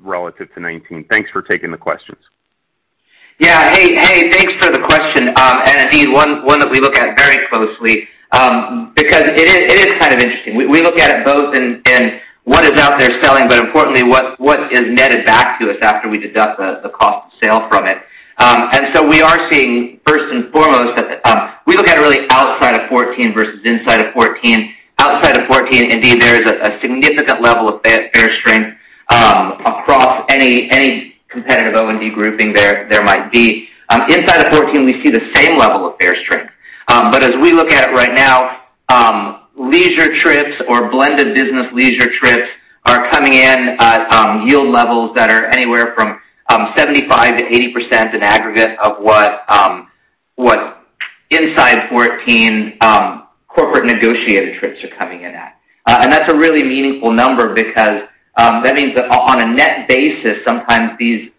Speaker 15: relative to 2019? Thanks for taking the questions.
Speaker 6: Hey, thanks for the question. Indeed one that we look at very closely, because it is kind of interesting. We look at it both in what is out there selling, but importantly what is netted back to us after we deduct the cost of sale from it. We are seeing first and foremost, we look at it really outside of 14 versus inside of 14. Outside of 14 indeed there is a significant level of fare strength, across any competitive O&D grouping there might be. Inside of 14 we see the same level of fare strength. As we look at it right now, leisure trips or blended business leisure trips are coming in at yield levels that are anywhere from 75%-80% in aggregate of what inside 14 corporate negotiated trips are coming in at. That's a really meaningful number because that means that on a net basis, sometimes these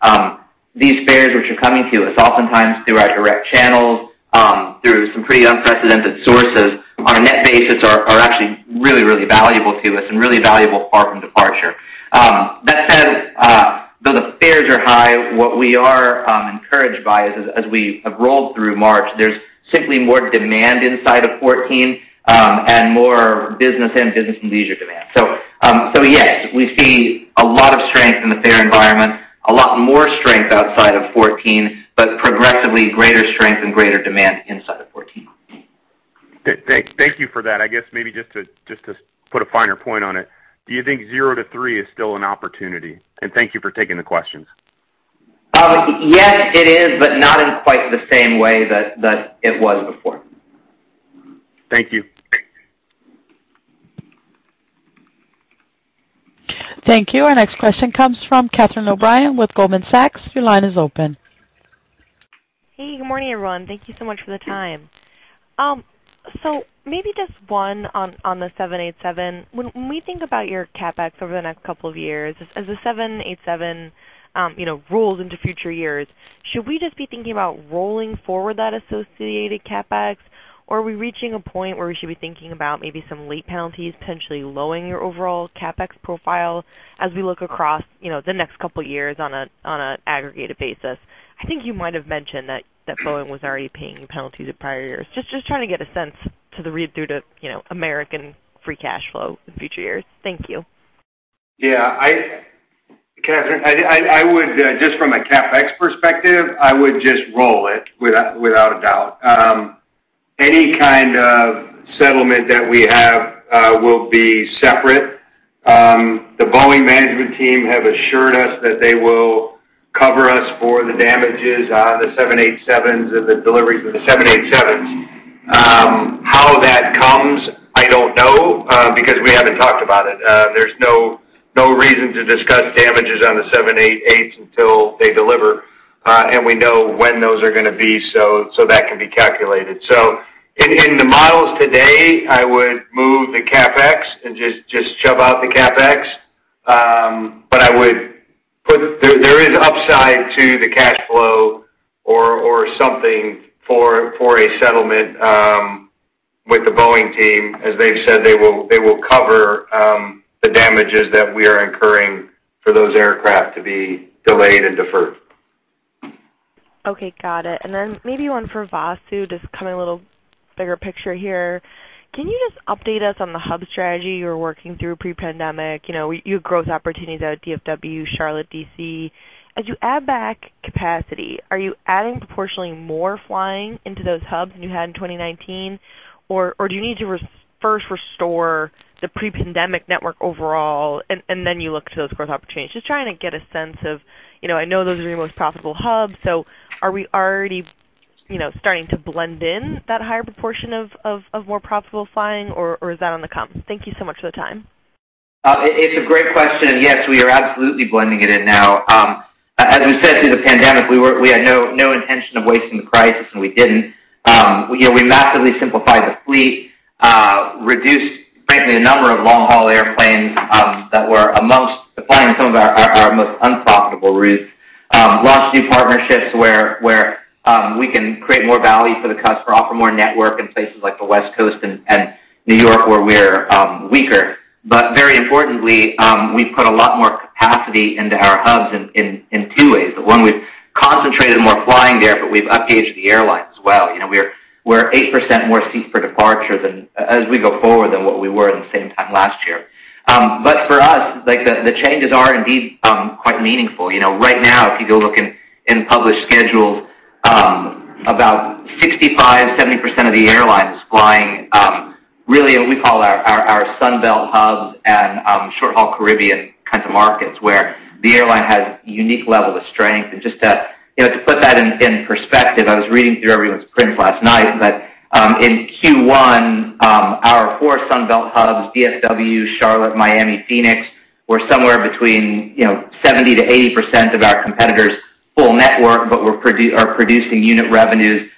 Speaker 6: fares which are coming to us, oftentimes through our direct channels, through some pretty unprecedented sources, on a net basis are actually really valuable to us and really valuable far from departure. That said, though the fares are high, what we are encouraged by is as we have rolled through March, there's simply more demand inside of 14 and more business and leisure demand. Yes, we see a lot of strength in the fare environment, a lot more strength outside of 14, but progressively greater strength and greater demand inside of 14.
Speaker 15: Thank you for that. I guess maybe just to put a finer point on it, do you think zero to three is still an opportunity? Thank you for taking the questions.
Speaker 6: Yes, it is, but not in quite the same way that it was before.
Speaker 15: Thank you.
Speaker 1: Thank you. Our next question comes from Catherine O'Brien with Goldman Sachs. Your line is open.
Speaker 17: Hey, good morning, everyone. Thank you so much for the time. So maybe just one on the 787. When we think about your CapEx over the next couple of years, as the 787, you know, rolls into future years, should we just be thinking about rolling forward that associated CapEx? Or are we reaching a point where we should be thinking about maybe some late penalties potentially lowering your overall CapEx profile as we look across, you know, the next couple of years on a aggregated basis? I think you might have mentioned that Boeing was already paying you penalties in prior years. Just trying to get a sense to the read through to, you know, American free cash flow in future years. Thank you.
Speaker 4: Yeah. Catherine, I would just from a CapEx perspective, I would just roll it without a doubt. Any kind of settlement that we have will be separate. The Boeing management team have assured us that they will cover us for the damages on the 787s and the deliveries of the 787s. How that comes, I don't know, because we haven't talked about it. There's no reason to discuss damages on the 787-8s until they deliver and we know when those are gonna be, so that can be calculated. In the models today, I would move the CapEx and just shove out the CapEx. I would put there is upside to the cash flow or something for a settlement. Boeing team, as they've said, they will cover the damages that we are incurring for those aircraft to be delayed and deferred.
Speaker 17: Okay, got it. Then maybe one for Vasu, just kind of a little bigger picture here. Can you just update us on the hub strategy you were working through pre-pandemic? You know, you had growth opportunities out of DFW, Charlotte, D.C. As you add back capacity, are you adding proportionally more flying into those hubs than you had in 2019? Or do you need to first restore the pre-pandemic network overall and then you look to those growth opportunities? Just trying to get a sense of, you know, I know those are your most profitable hubs, so are we already, you know, starting to blend in that higher proportion of of more profitable flying or is that on the come? Thank you so much for the time.
Speaker 6: It's a great question. Yes, we are absolutely blending it in now. As we said through the pandemic, we had no intention of wasting the crisis, and we didn't. You know, we massively simplified the fleet, reduced frankly the number of long-haul airplanes that were deploying some of our most unprofitable routes. Launched new partnerships where we can create more value for the customer, offer more network in places like the West Coast and New York, where we're weaker. But very importantly, we've put a lot more capacity into our hubs in two ways. One, we've concentrated more flying there, but we've upgauged the airline as well. You know, we're 8% more seats per departure than, as we go forward, than what we were at the same time last year. For us, like the changes are indeed quite meaningful. You know, right now, if you go look in published schedules, about 65%-70% of the airline is flying really what we call our Sun Belt hubs and short-haul Caribbean kinds of markets, where the airline has unique level of strength. Just to, you know, to put that in perspective, I was reading through everyone's prints last night that in Q1 our four Sun Belt hubs, DFW, Charlotte, Miami, Phoenix, were somewhere between, you know, 70%-80% of our competitors' full network, but were producing unit revenues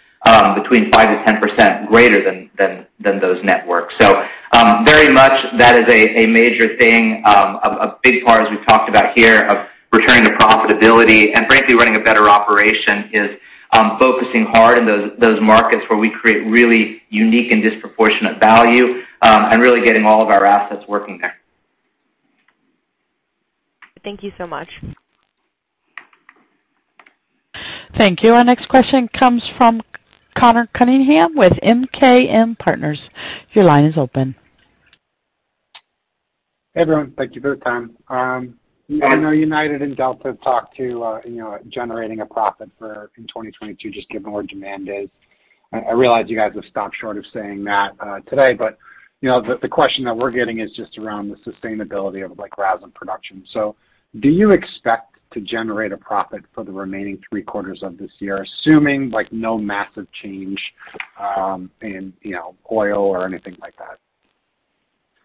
Speaker 6: between 5%-10% greater than those networks. Very much that is a major thing, a big part as we've talked about here of returning to profitability and frankly running a better operation is focusing hard in those markets where we create really unique and disproportionate value and really getting all of our assets working there.
Speaker 17: Thank you so much.
Speaker 1: Thank you. Our next question comes from Conor Cunningham with MKM Partners. Your line is open.
Speaker 18: Hey, everyone. Thank you for your time. I know United and Delta have talked about, you know, generating a profit in 2022 just given where demand is. I realize you guys have stopped short of saying that today, but you know, the question that we're getting is just around the sustainability of like RASM production. Do you expect to generate a profit for the remaining three quarters of this year, assuming like no massive change in, you know, oil or anything like that?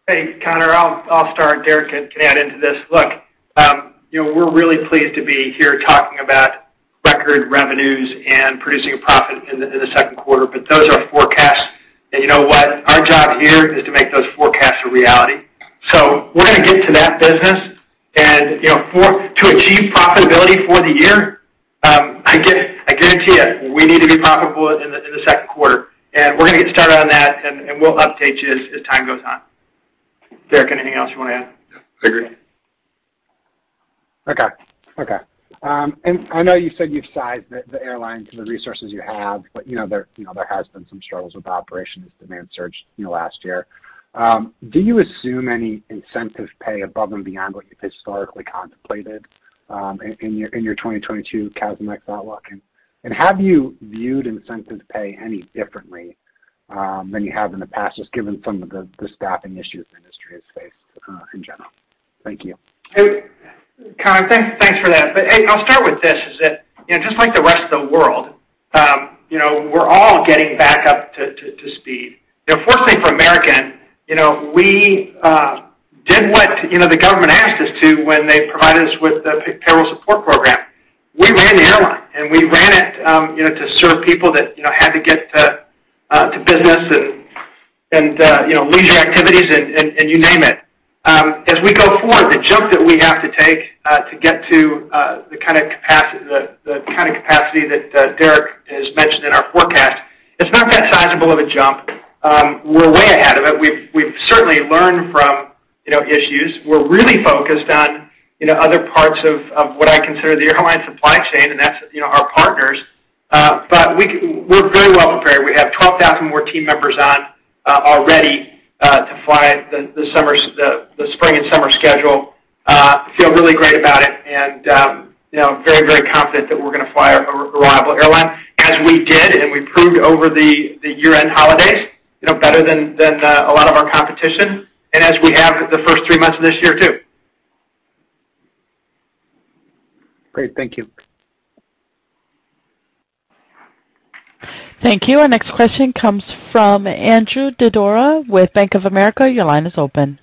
Speaker 3: Hey, Conor, I'll start. Derek can add into this. Look, you know, we're really pleased to be here talking about record revenues and producing a profit in the Q2, but those are forecasts. You know what? Our job here is to make those forecasts a reality. We're gonna get to that business and, you know, to achieve profitability for the year, I guarantee you we need to be profitable in the Q2. We're gonna get started on that and we'll update you as time goes on. Derek, anything else you wanna add?
Speaker 18: No. I agree. I know you said you've sized the airline to the resources you have, but you know, there has been some struggles with operations as demand surged you know, last year. Do you assume any incentive pay above and beyond what you've historically contemplated in your 2022 CASM ex fuel outlook? Have you viewed incentive pay any differently than you have in the past, just given some of the staffing issues the industry has faced in general? Thank you.
Speaker 3: Hey, Conor, thanks for that. Hey, I'll start with this, is that, you know, just like the rest of the world, you know, we're all getting back up to speed. You know, fortunately for American, you know, we did what, you know, the government asked us to when they provided us with the Payroll Support Program. We ran the airline, and we ran it, you know, to serve people that, you know, had to get to business and leisure activities and you name it. As we go forward, the jump that we have to take to get to the kind of capacity that Derek has mentioned in our forecast, it's not that sizable of a jump. We're way ahead of it. We've certainly learned from, you know, issues. We're really focused on, you know, other parts of what I consider the airline supply chain, and that's, you know, our partners. But we're very well prepared. We have 12,000 more team members who are ready to fly the spring and summer schedule. We feel really great about it and, you know, very confident that we're gonna fly a reliable airline as we did, and we proved over the year-end holidays, you know, better than a lot of our competition, and as we have the first three months of this year too.
Speaker 18: Great. Thank you.
Speaker 1: Thank you. Our next question comes from Andrew Didora with Bank of America. Your line is open.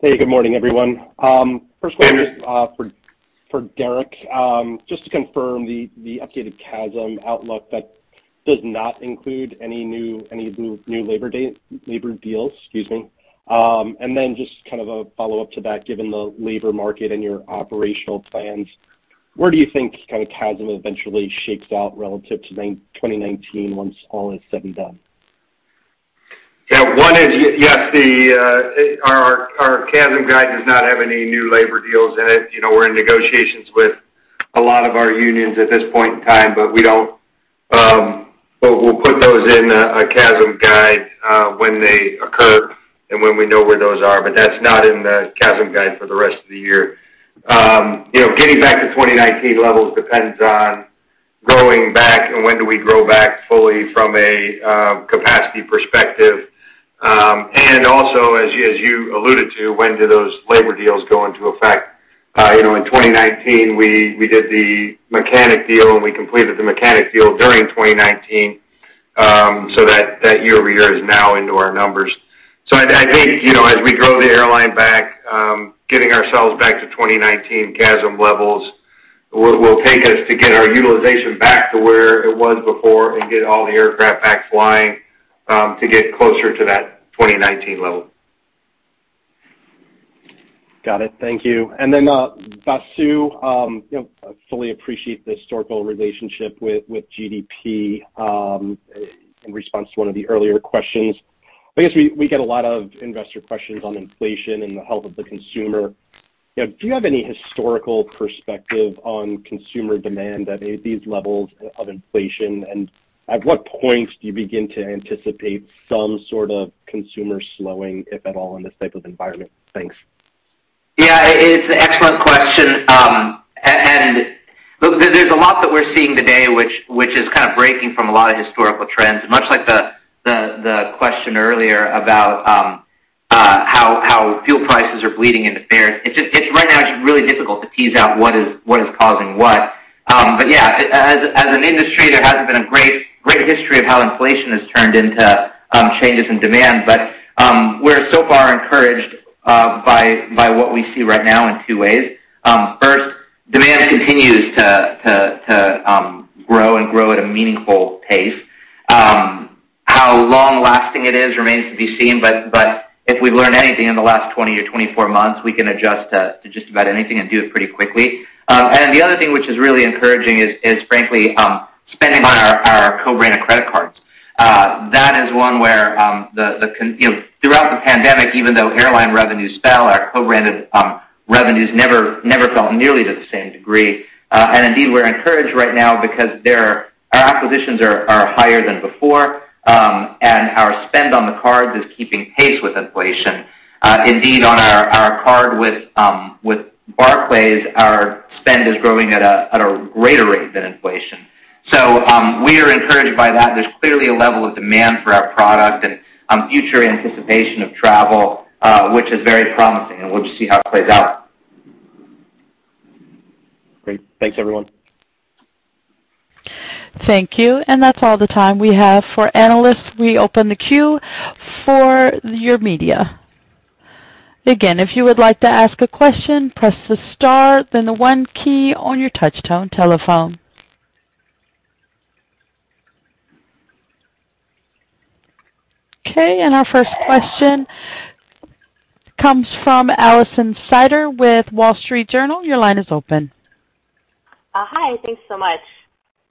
Speaker 19: Hey, good morning, everyone. First one is for Derek. Just to confirm the updated CASM outlook, that does not include any new labor deals, excuse me. Then just kind of a follow-up to that, given the labor market and your operational plans. Where do you think kind of CASM eventually shakes out relative to 2019 once all is said and done?
Speaker 4: Yeah. One is yes, our CASM guide does not have any new labor deals in it. You know, we're in negotiations with a lot of our unions at this point in time, but we don't but we'll put those in a CASM guide when they occur and when we know where those are, but that's not in the CASM guide for the rest of the year. You know, getting back to 2019 levels depends on growing back and when do we grow back fully from a capacity perspective, and also as you alluded to, when do those labor deals go into effect? You know, in 2019, we did the mechanic deal, and we completed the mechanic deal during 2019, so that year-over-year is now into our numbers. I think, you know, as we grow the airline back, getting ourselves back to 2019 CASM levels will take us to get our utilization back to where it was before and get all the aircraft back flying, to get closer to that 2019 level.
Speaker 19: Got it. Thank you. Vasu, you know, I fully appreciate the historical relationship with GDP in response to one of the earlier questions. I guess we get a lot of investor questions on inflation and the health of the consumer. You know, do you have any historical perspective on consumer demand at these levels of inflation, and at what point do you begin to anticipate some sort of consumer slowing, if at all, in this type of environment? Thanks.
Speaker 6: Yeah. It's an excellent question, and look, there's a lot that we're seeing today which is kind of breaking from a lot of historical trends, much like the question earlier about how fuel prices are bleeding into fares. It's right now really difficult to tease out what is causing what. Yeah, as an industry, there hasn't been a great history of how inflation has turned into changes in demand. We're so far encouraged by what we see right now in two ways. First, demand continues to grow and grow at a meaningful pace. How long-lasting it is remains to be seen, but if we've learned anything in the last 20-24 months, we can adjust to just about anything and do it pretty quickly. The other thing which is really encouraging is frankly spending on our co-branded credit cards. That is one where you know, throughout the pandemic, even though airline revenues fell, our co-branded revenues never fell nearly to the same degree. Indeed, we're encouraged right now because our acquisitions are higher than before, and our spend on the cards is keeping pace with inflation. Indeed on our card with Barclays, our spend is growing at a greater rate than inflation. We are encouraged by that. There's clearly a level of demand for our product and, future anticipation of travel, which is very promising, and we'll just see how it plays out.
Speaker 19: Great. Thanks, everyone.
Speaker 1: Thank you. That's all the time we have for analysts. We open the queue for your media. Again, if you would like to ask a question, press the star then the one key on your touchtone telephone. Okay. Our first question comes from Alison Sider with Wall Street Journal. Your line is open.
Speaker 20: Hi. Thanks so much.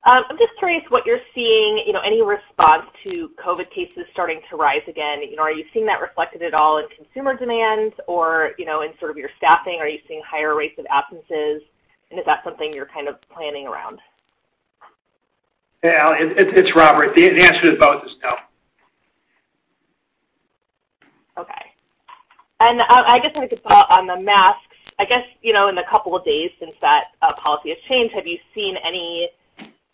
Speaker 20: I'm just curious what you're seeing, you know, any response to COVID cases starting to rise again. You know, are you seeing that reflected at all in consumer demand or, you know, in sort of your staffing? Are you seeing higher rates of absences, and is that something you're kind of planning around?
Speaker 3: Yeah, Alli, it's Robert. The answer to both is no.
Speaker 20: Okay. I guess I could follow up on the masks. I guess, you know, in the couple of days since that policy has changed, have you seen any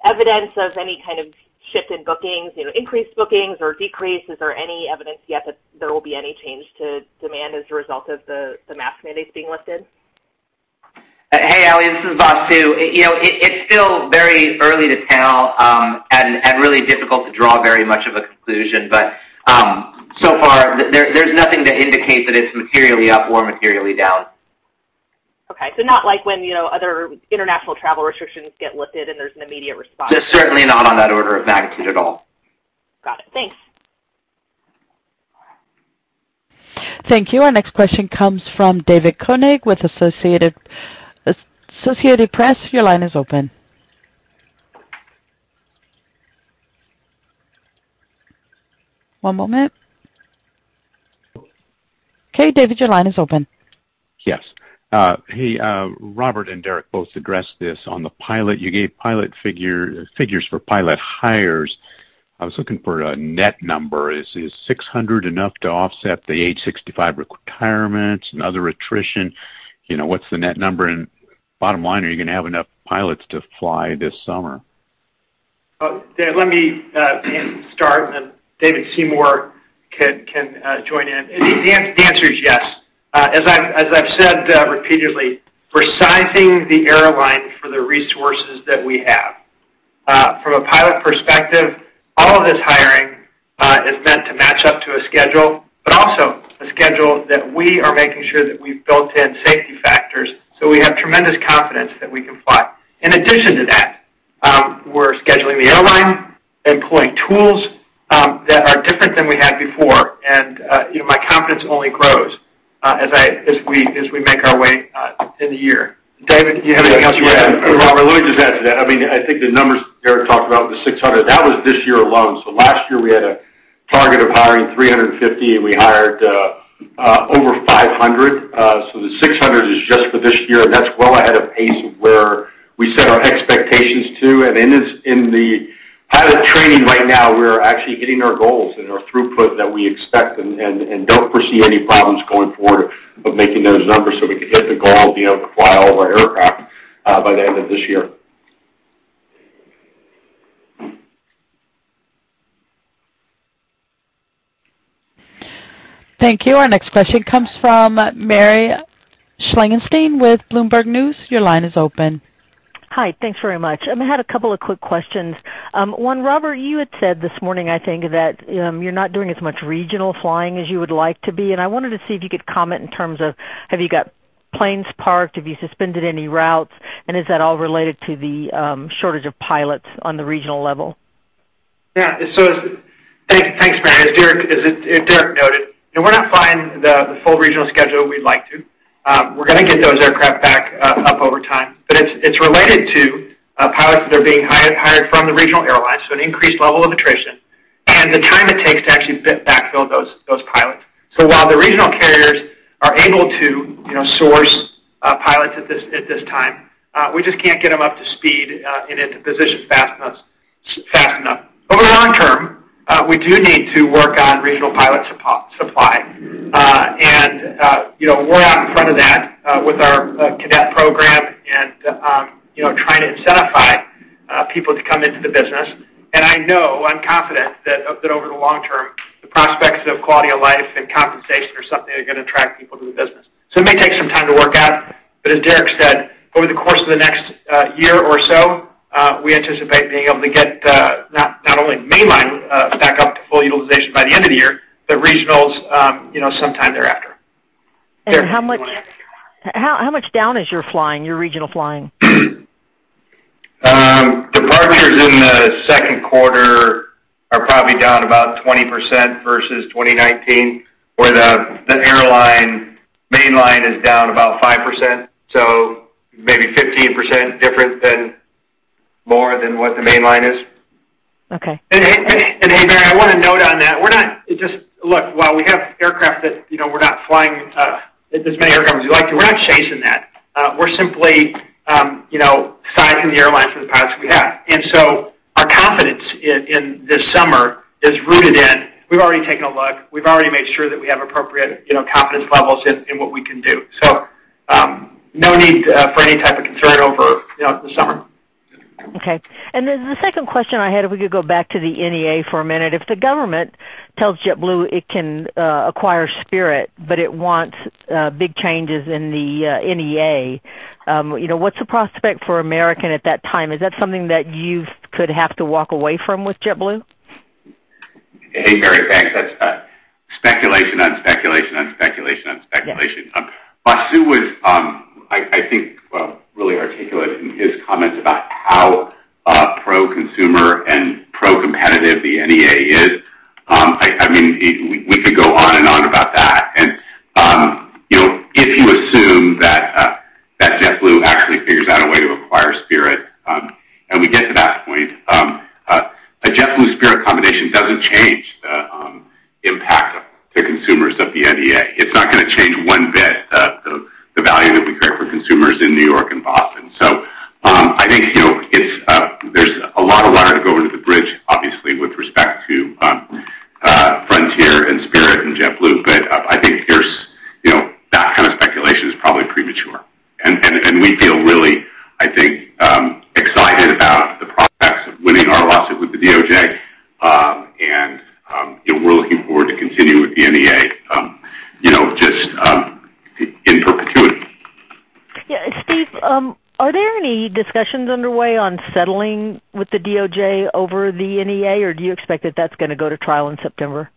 Speaker 20: evidence of any kind of shift in bookings, you know, increased bookings or decreases or any evidence yet that there will be any change to demand as a result of the mask mandates being lifted?
Speaker 6: Hey, Alli, this is Vasu. You know, it's still very early to tell, and really difficult to draw very much of a conclusion. So far, there's nothing to indicate that it's materially up or materially down.
Speaker 20: Okay. Not like when, you know, other international travel restrictions get lifted and there's an immediate response.
Speaker 6: Certainly not on that order of magnitude at all. Got it. Thanks.
Speaker 1: Thank you. Our next question comes from David Koenig with Associated Press. Your line is open. One moment. Okay, David, your line is open.
Speaker 21: Yes. Hey, Robert and Derek both addressed this on the pilot. You gave pilot figures for pilot hires. I was looking for a net number. Is 600 enough to offset the age 65 retirements and other attrition? You know, what's the net number? Bottom line, are you gonna have enough pilots to fly this summer?
Speaker 3: Let me start, and then David Seymour can join in. The answer is yes. As I've said repeatedly, we're sizing the airline for the resources that we have. From a pilot perspective, all of this hiring is meant to match up to a schedule, but also a schedule that we are making sure that we've built in safety factors, so we have tremendous confidence that we can fly. In addition to that We're scheduling the airline, employing tools that are different than we had before. You know, my confidence only grows as we make our way in the year. David, do you have anything else you want to add?
Speaker 11: Yeah. Robert, let me just add to that. I mean, I think the numbers Derek talked about, the 600, that was this year alone. Last year we had a target of hiring 350, and we hired over 500. The 600 is just for this year, and that's well ahead of pace where we set our expectations to. In the pilot training right now, we're actually hitting our goals and our throughput that we expect and don't foresee any problems going forward of making those numbers so we can hit the goal, you know, to fly all of our aircraft by the end of this year.
Speaker 1: Thank you. Our next question comes from Mary Schlangenstein with Bloomberg News. Your line is open.
Speaker 22: Hi. Thanks very much. I had a couple of quick questions. One, Robert, you had said this morning, I think, that you're not doing as much regional flying as you would like to be, and I wanted to see if you could comment in terms of, have you got planes parked? Have you suspended any routes? And is that all related to the shortage of pilots on the regional level?
Speaker 3: Thanks, Mary. As Derek noted, you know, we're not flying the full regional schedule we'd like to. We're gonna get those aircraft back up over time. But it's related to pilots that are being hired from the regional airlines, so an increased level of attrition, and the time it takes to actually backfill those pilots. So while the regional carriers are able to, you know, source pilots at this time, we just can't get them up to speed and into position fast enough. Over the long term, we do need to work on regional pilot supply. You know, we're out in front of that with our cadet program and, you know, trying to incentivize people to come into the business. I know, I'm confident that over the long term, the prospects of quality of life and compensation are something that are gonna attract people to the business. It may take some time to work out, but as Derek said, over the course of the next year or so, we anticipate being able to get not only mainline back up to full utilization by the end of the year, but regionals, you know, sometime thereafter. Derek, did you wanna add to that?
Speaker 22: How much down is your flying, your regional flying?
Speaker 16: Departures in the Q2 are probably down about 20% versus 2019, where the airline mainline is down about 5%, so maybe 15% different than more than what the mainline is.
Speaker 22: Okay.
Speaker 3: Mary, I wanna note on that. Look, while we have aircraft that, you know, we're not flying as many aircraft as we'd like to, we're not chasing that. We're simply, you know, sizing the airlines for the pilots we have. Our confidence in this summer is rooted in we've already taken a look, we've already made sure that we have appropriate, you know, confidence levels in what we can do. No need for any type of concern over, you know, the summer.
Speaker 22: Okay. The second question I had, if we could go back to the NEA for a minute. If the government tells JetBlue it can acquire Spirit, but it wants big changes in the NEA, you know, what's the prospect for American at that time? Is that something that you could have to walk away from with JetBlue?
Speaker 16: Hey, Mary. Thanks. That's speculation on speculation on speculation on speculation.
Speaker 22: Yeah.
Speaker 16: Vasu was, I think, really articulate in his comments about how pro-consumer and pro-competitive the NEA is. I mean, we could go on and on about that. You know, if you assume that JetBlue actually figures out a way to acquire Spirit, and we get to that point, a JetBlue Spirit combination doesn't change the impact to consumers of the NEA. It's not gonna change one bit, the value that we create for consumers in New York and Boston. I think, you know, it's, there's a lot of water to go under the bridge, obviously, with respect to Frontier and Spirit and JetBlue. I think there's, you know, that kind of speculation is probably premature. We feel really, I think, excited about the prospects of winning our lawsuit with the DOJ. You know, we're looking forward to continuing with the NEA, you know, just in perpetuity.
Speaker 22: Yeah. Steve, are there any discussions underway on settling with the DOJ over the NEA, or do you expect that that's gonna go to trial in September?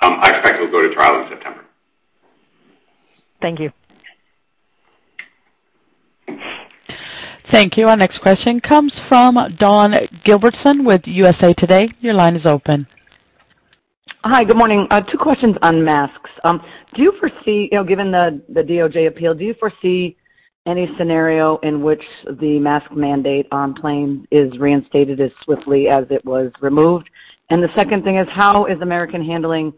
Speaker 16: I expect it'll go to trial in September.
Speaker 22: Thank you.
Speaker 1: Thank you. Our next question comes from Dawn Gilbertson with USA Today. Your line is open.
Speaker 23: Hi. Good morning. Two questions on masks. Do you foresee, you know, given the DOJ appeal, any scenario in which the mask mandate on plane is reinstated as swiftly as it was removed? The second thing is, how is American handling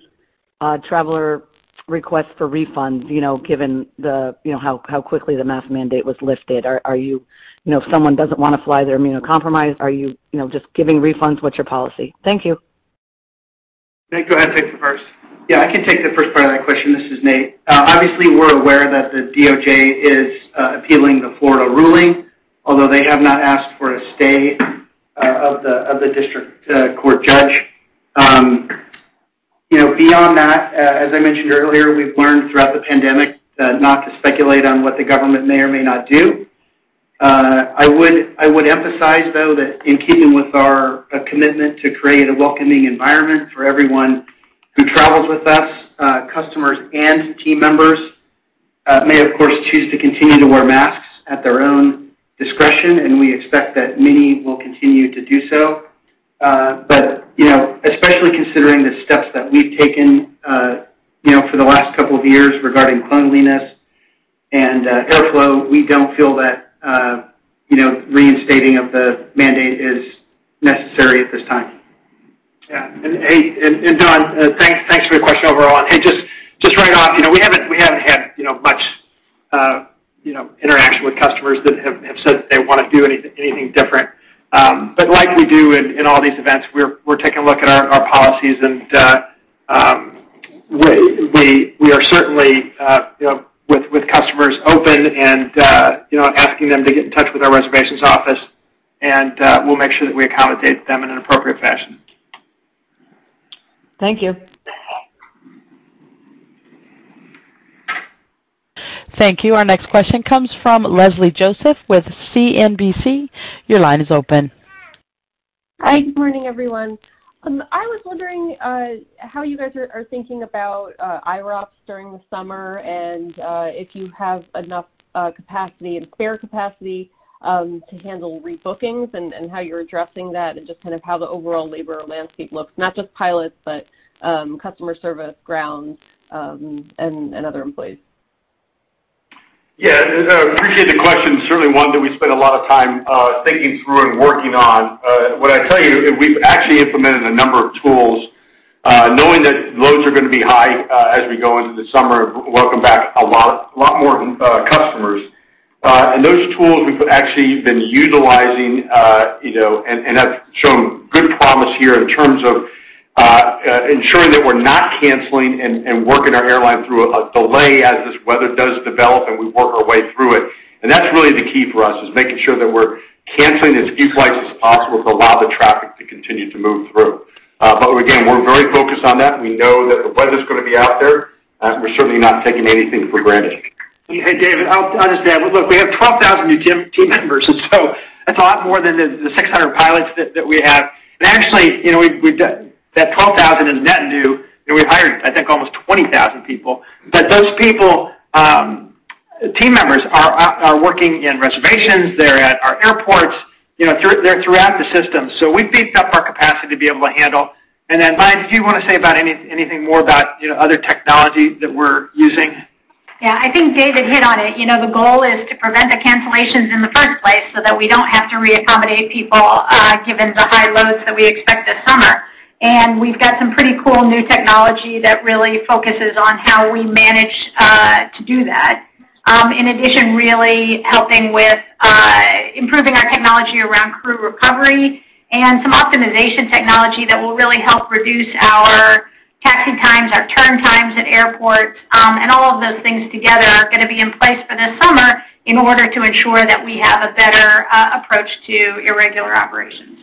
Speaker 23: traveler requests for refunds, you know, given how quickly the mask mandate was lifted? Are you know, if someone doesn't wanna fly, they're immunocompromised, just giving refunds? What's your policy? Thank you.
Speaker 3: Nate, go ahead and take the first.
Speaker 14: Yeah, I can take the first part of that question. This is Nate. Obviously, we're aware that the DOJ is appealing the Florida ruling, although they have not asked for a stay of the district court judge. Beyond that, as I mentioned earlier, we've learned throughout the pandemic not to speculate on what the government may or may not do. I would emphasize, though, that in keeping with our commitment to create a welcoming environment for everyone who travels with us, customers and team members. May of course choose to continue to wear masks at their own discretion, and we expect that many will continue to do so. You know, especially considering the steps that we've taken, you know, for the last couple of years regarding cleanliness and airflow, we don't feel that, you know, reinstating of the mandate is necessary at this time.
Speaker 3: Dawn, thanks for your question overall. Just right off, you know, we haven't had, you know, much, you know, interaction with customers that have said that they wanna do anything different. Like we do in all these events, we're taking a look at our policies and we are certainly, you know, with customers open and, you know, asking them to get in touch with our reservations office and we'll make sure that we accommodate them in an appropriate fashion.
Speaker 23: Thank you.
Speaker 1: Thank you. Our next question comes from Leslie Josephs with CNBC. Your line is open.
Speaker 24: Hi, good morning, everyone. I was wondering how you guys are thinking about IROPS during the summer and if you have enough capacity and spare capacity to handle rebookings and how you're addressing that and just kind of how the overall labor landscape looks, not just pilots, but customer service, grounds, and other employees?
Speaker 11: Yeah. Appreciate the question. Certainly, one that we spend a lot of time thinking through and working on. What I'd tell you, we've actually implemented a number of tools knowing that loads are gonna be high as we go into the summer, welcome back a lot more customers. Those tools we've actually been utilizing, you know, and have shown good promise here in terms of ensuring that we're not canceling and working our airline through a delay as this weather does develop and we work our way through it. That's really the key for us, is making sure that we're canceling as few flights as possible to allow the traffic to continue to move through. Again, we're very focused on that. We know that the weather's gonna be out there. We're certainly not taking anything for granted.
Speaker 3: Hey, David, I'll just add. Look, we have 12,000 new team members, and so that's a lot more than the 600 pilots that we have. Actually, you know, that 12,000 is net new, and we've hired, I think, almost 20,000 people. But those people, team members are working in reservations, they're at our airports, you know, they're throughout the system. So, we've beefed up our capacity to be able to handle. Then, Maya, did you wanna say about anything more about, you know, other technology that we're using?
Speaker 8: Yeah. I think David hit on it. You know, the goal is to prevent the cancellations in the first place so that we don't have to reaccommodate people, given the high loads that we expect this summer. We've got some pretty cool new technology that really focuses on how we manage to do that. In addition, really helping with improving our technology around crew recovery and some optimization technology that will really help reduce our taxi times, our turn times at airports, and all of those things together are gonna be in place for this summer in order to ensure that we have a better approach to irregular operations.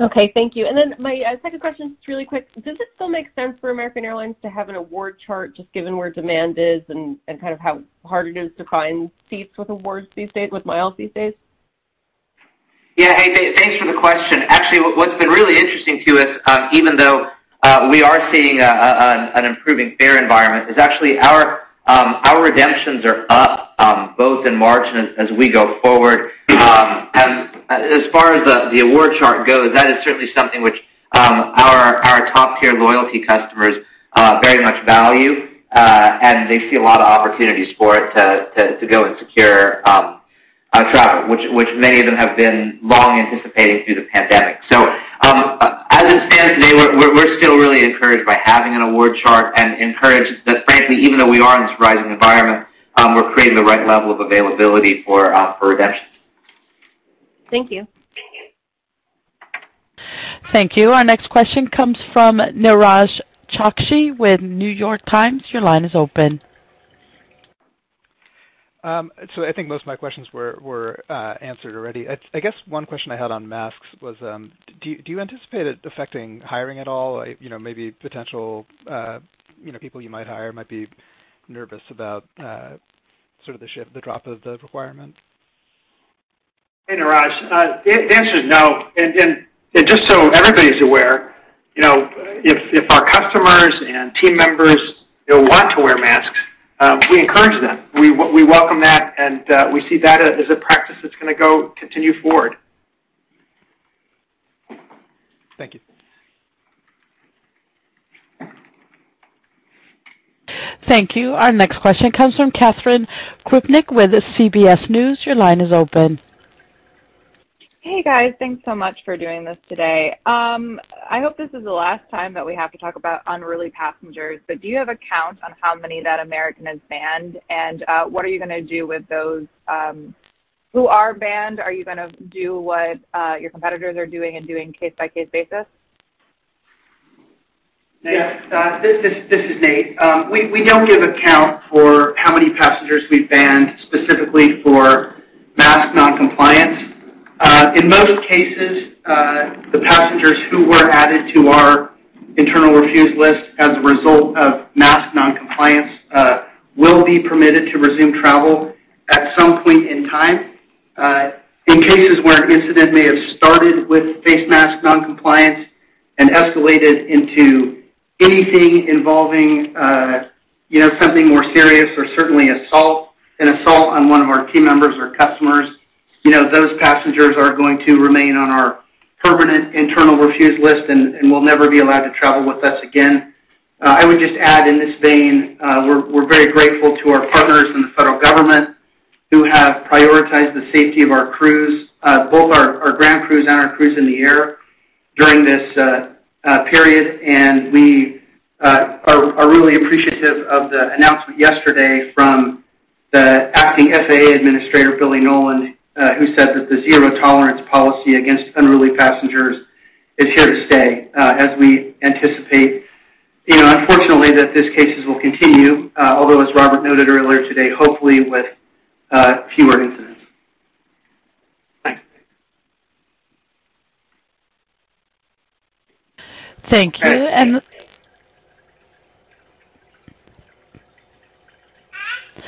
Speaker 24: Okay. Thank you. Then my second question, just really quick. Does it still make sense for American Airlines to have an award chart, just given where demand is and kind of how hard it is to find seats with awards these days, with miles these days?
Speaker 6: Yeah. Hey, thanks for the question. Actually, what's been really interesting to us, even though we are seeing an improving fare environment, is actually our redemptions are up, both in March and as we go forward. As far as the award chart goes, that is certainly something which our top-tier loyalty customers very much value, and they see a lot of opportunities for it to go and secure travel, which many of them have been long anticipating through the pandemic. As it stands today, we're still really encouraged by having an award chart and encouraged that, frankly, even though we are in this rising environment, we're creating the right level of availability for redemptions.
Speaker 24: Thank you.
Speaker 1: Thank you. Our next question comes from Niraj Chokshi with New York Times. Your line is open.
Speaker 25: I think most of my questions were answered already. I guess one question I had on masks was, do you anticipate it affecting hiring at all? You know, maybe potential people you might hire might be nervous about sort of the shift, the drop of the requirement.
Speaker 3: Hey, Niraj. The answer is no. Just so everybody's aware, you know, if our customers and team members, you know, want to wear masks, we encourage them. We welcome that, and we see that as a practice that's gonna continue forward.
Speaker 25: Thank you.
Speaker 1: Thank you. Our next question comes from Kris Van Cleave with CBS News. Your line is open.
Speaker 26: Hey, guys. Thanks so much for doing this today. I hope this is the last time that we have to talk about unruly passengers, but do you have a count on how many that American has banned? What are you gonna do with those who are banned? Are you gonna do what your competitors are doing on a case-by-case basis?
Speaker 14: Yes, this is Nate. We don't give a count for how many passengers we've banned specifically for mask noncompliance. In most cases, the passengers who were added to our internal refuse list as a result of mask noncompliance will be permitted to resume travel at some point in time. In cases where an incident may have started with face mask noncompliance and escalated into anything involving, you know, something more serious or certainly an assault on one of our team members or customers, you know, those passengers are going to remain on our permanent internal refuse list and will never be allowed to travel with us again. I would just add in this vein, we're very grateful to our partners in the federal government who have prioritized the safety of our crews, both our ground crews and our crews in the air during this period. We are really appreciative of the announcement yesterday from the Acting FAA Administrator, Billy Nolen, who said that the zero-tolerance policy against unruly passengers is here to stay, as we anticipate, you know, unfortunately that these cases will continue, although, as Robert noted earlier today, hopefully with fewer incidents. Thanks.
Speaker 26: Thank you.
Speaker 3: Okay.
Speaker 1: Thank you.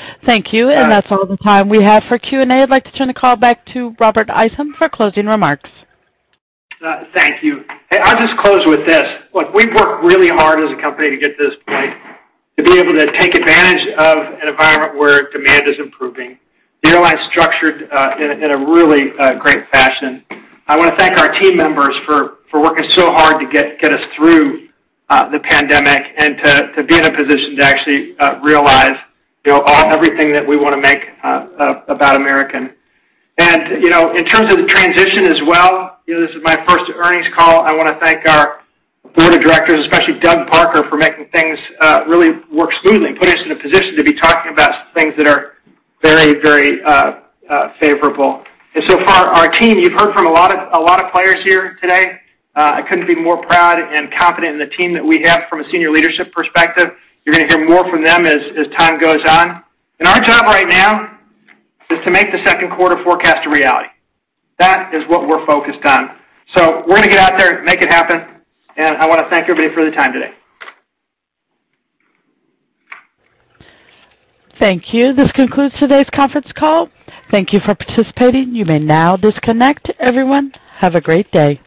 Speaker 3: All right.
Speaker 1: That's all the time we have for Q&A. I'd like to turn the call back to Robert Isom for closing remarks.
Speaker 3: Thank you. Hey, I'll just close with this. Look, we've worked really hard as a company to get to this point, to be able to take advantage of an environment where demand is improving. The airline's structured in a really great fashion. I wanna thank our team members for working so hard to get us through the pandemic and to be in a position to actually realize, you know, everything that we wanna make about American. You know, in terms of the transition as well, you know, this is my first earnings call. I wanna thank our board of directors, especially Doug Parker, for making things really work smoothly, putting us in a position to be talking about things that are very favorable. For our team, you've heard from a lot of players here today. I couldn't be more proud and confident in the team that we have from a senior leadership perspective. You're gonna hear more from them as time goes on. Our job right now is to make the Q2 forecast a reality. That is what we're focused on. We're gonna get out there and make it happen. I wanna thank everybody for the time today.
Speaker 1: Thank you. This concludes today's conference call. Thank you for participating. You may now disconnect. Everyone, have a great day.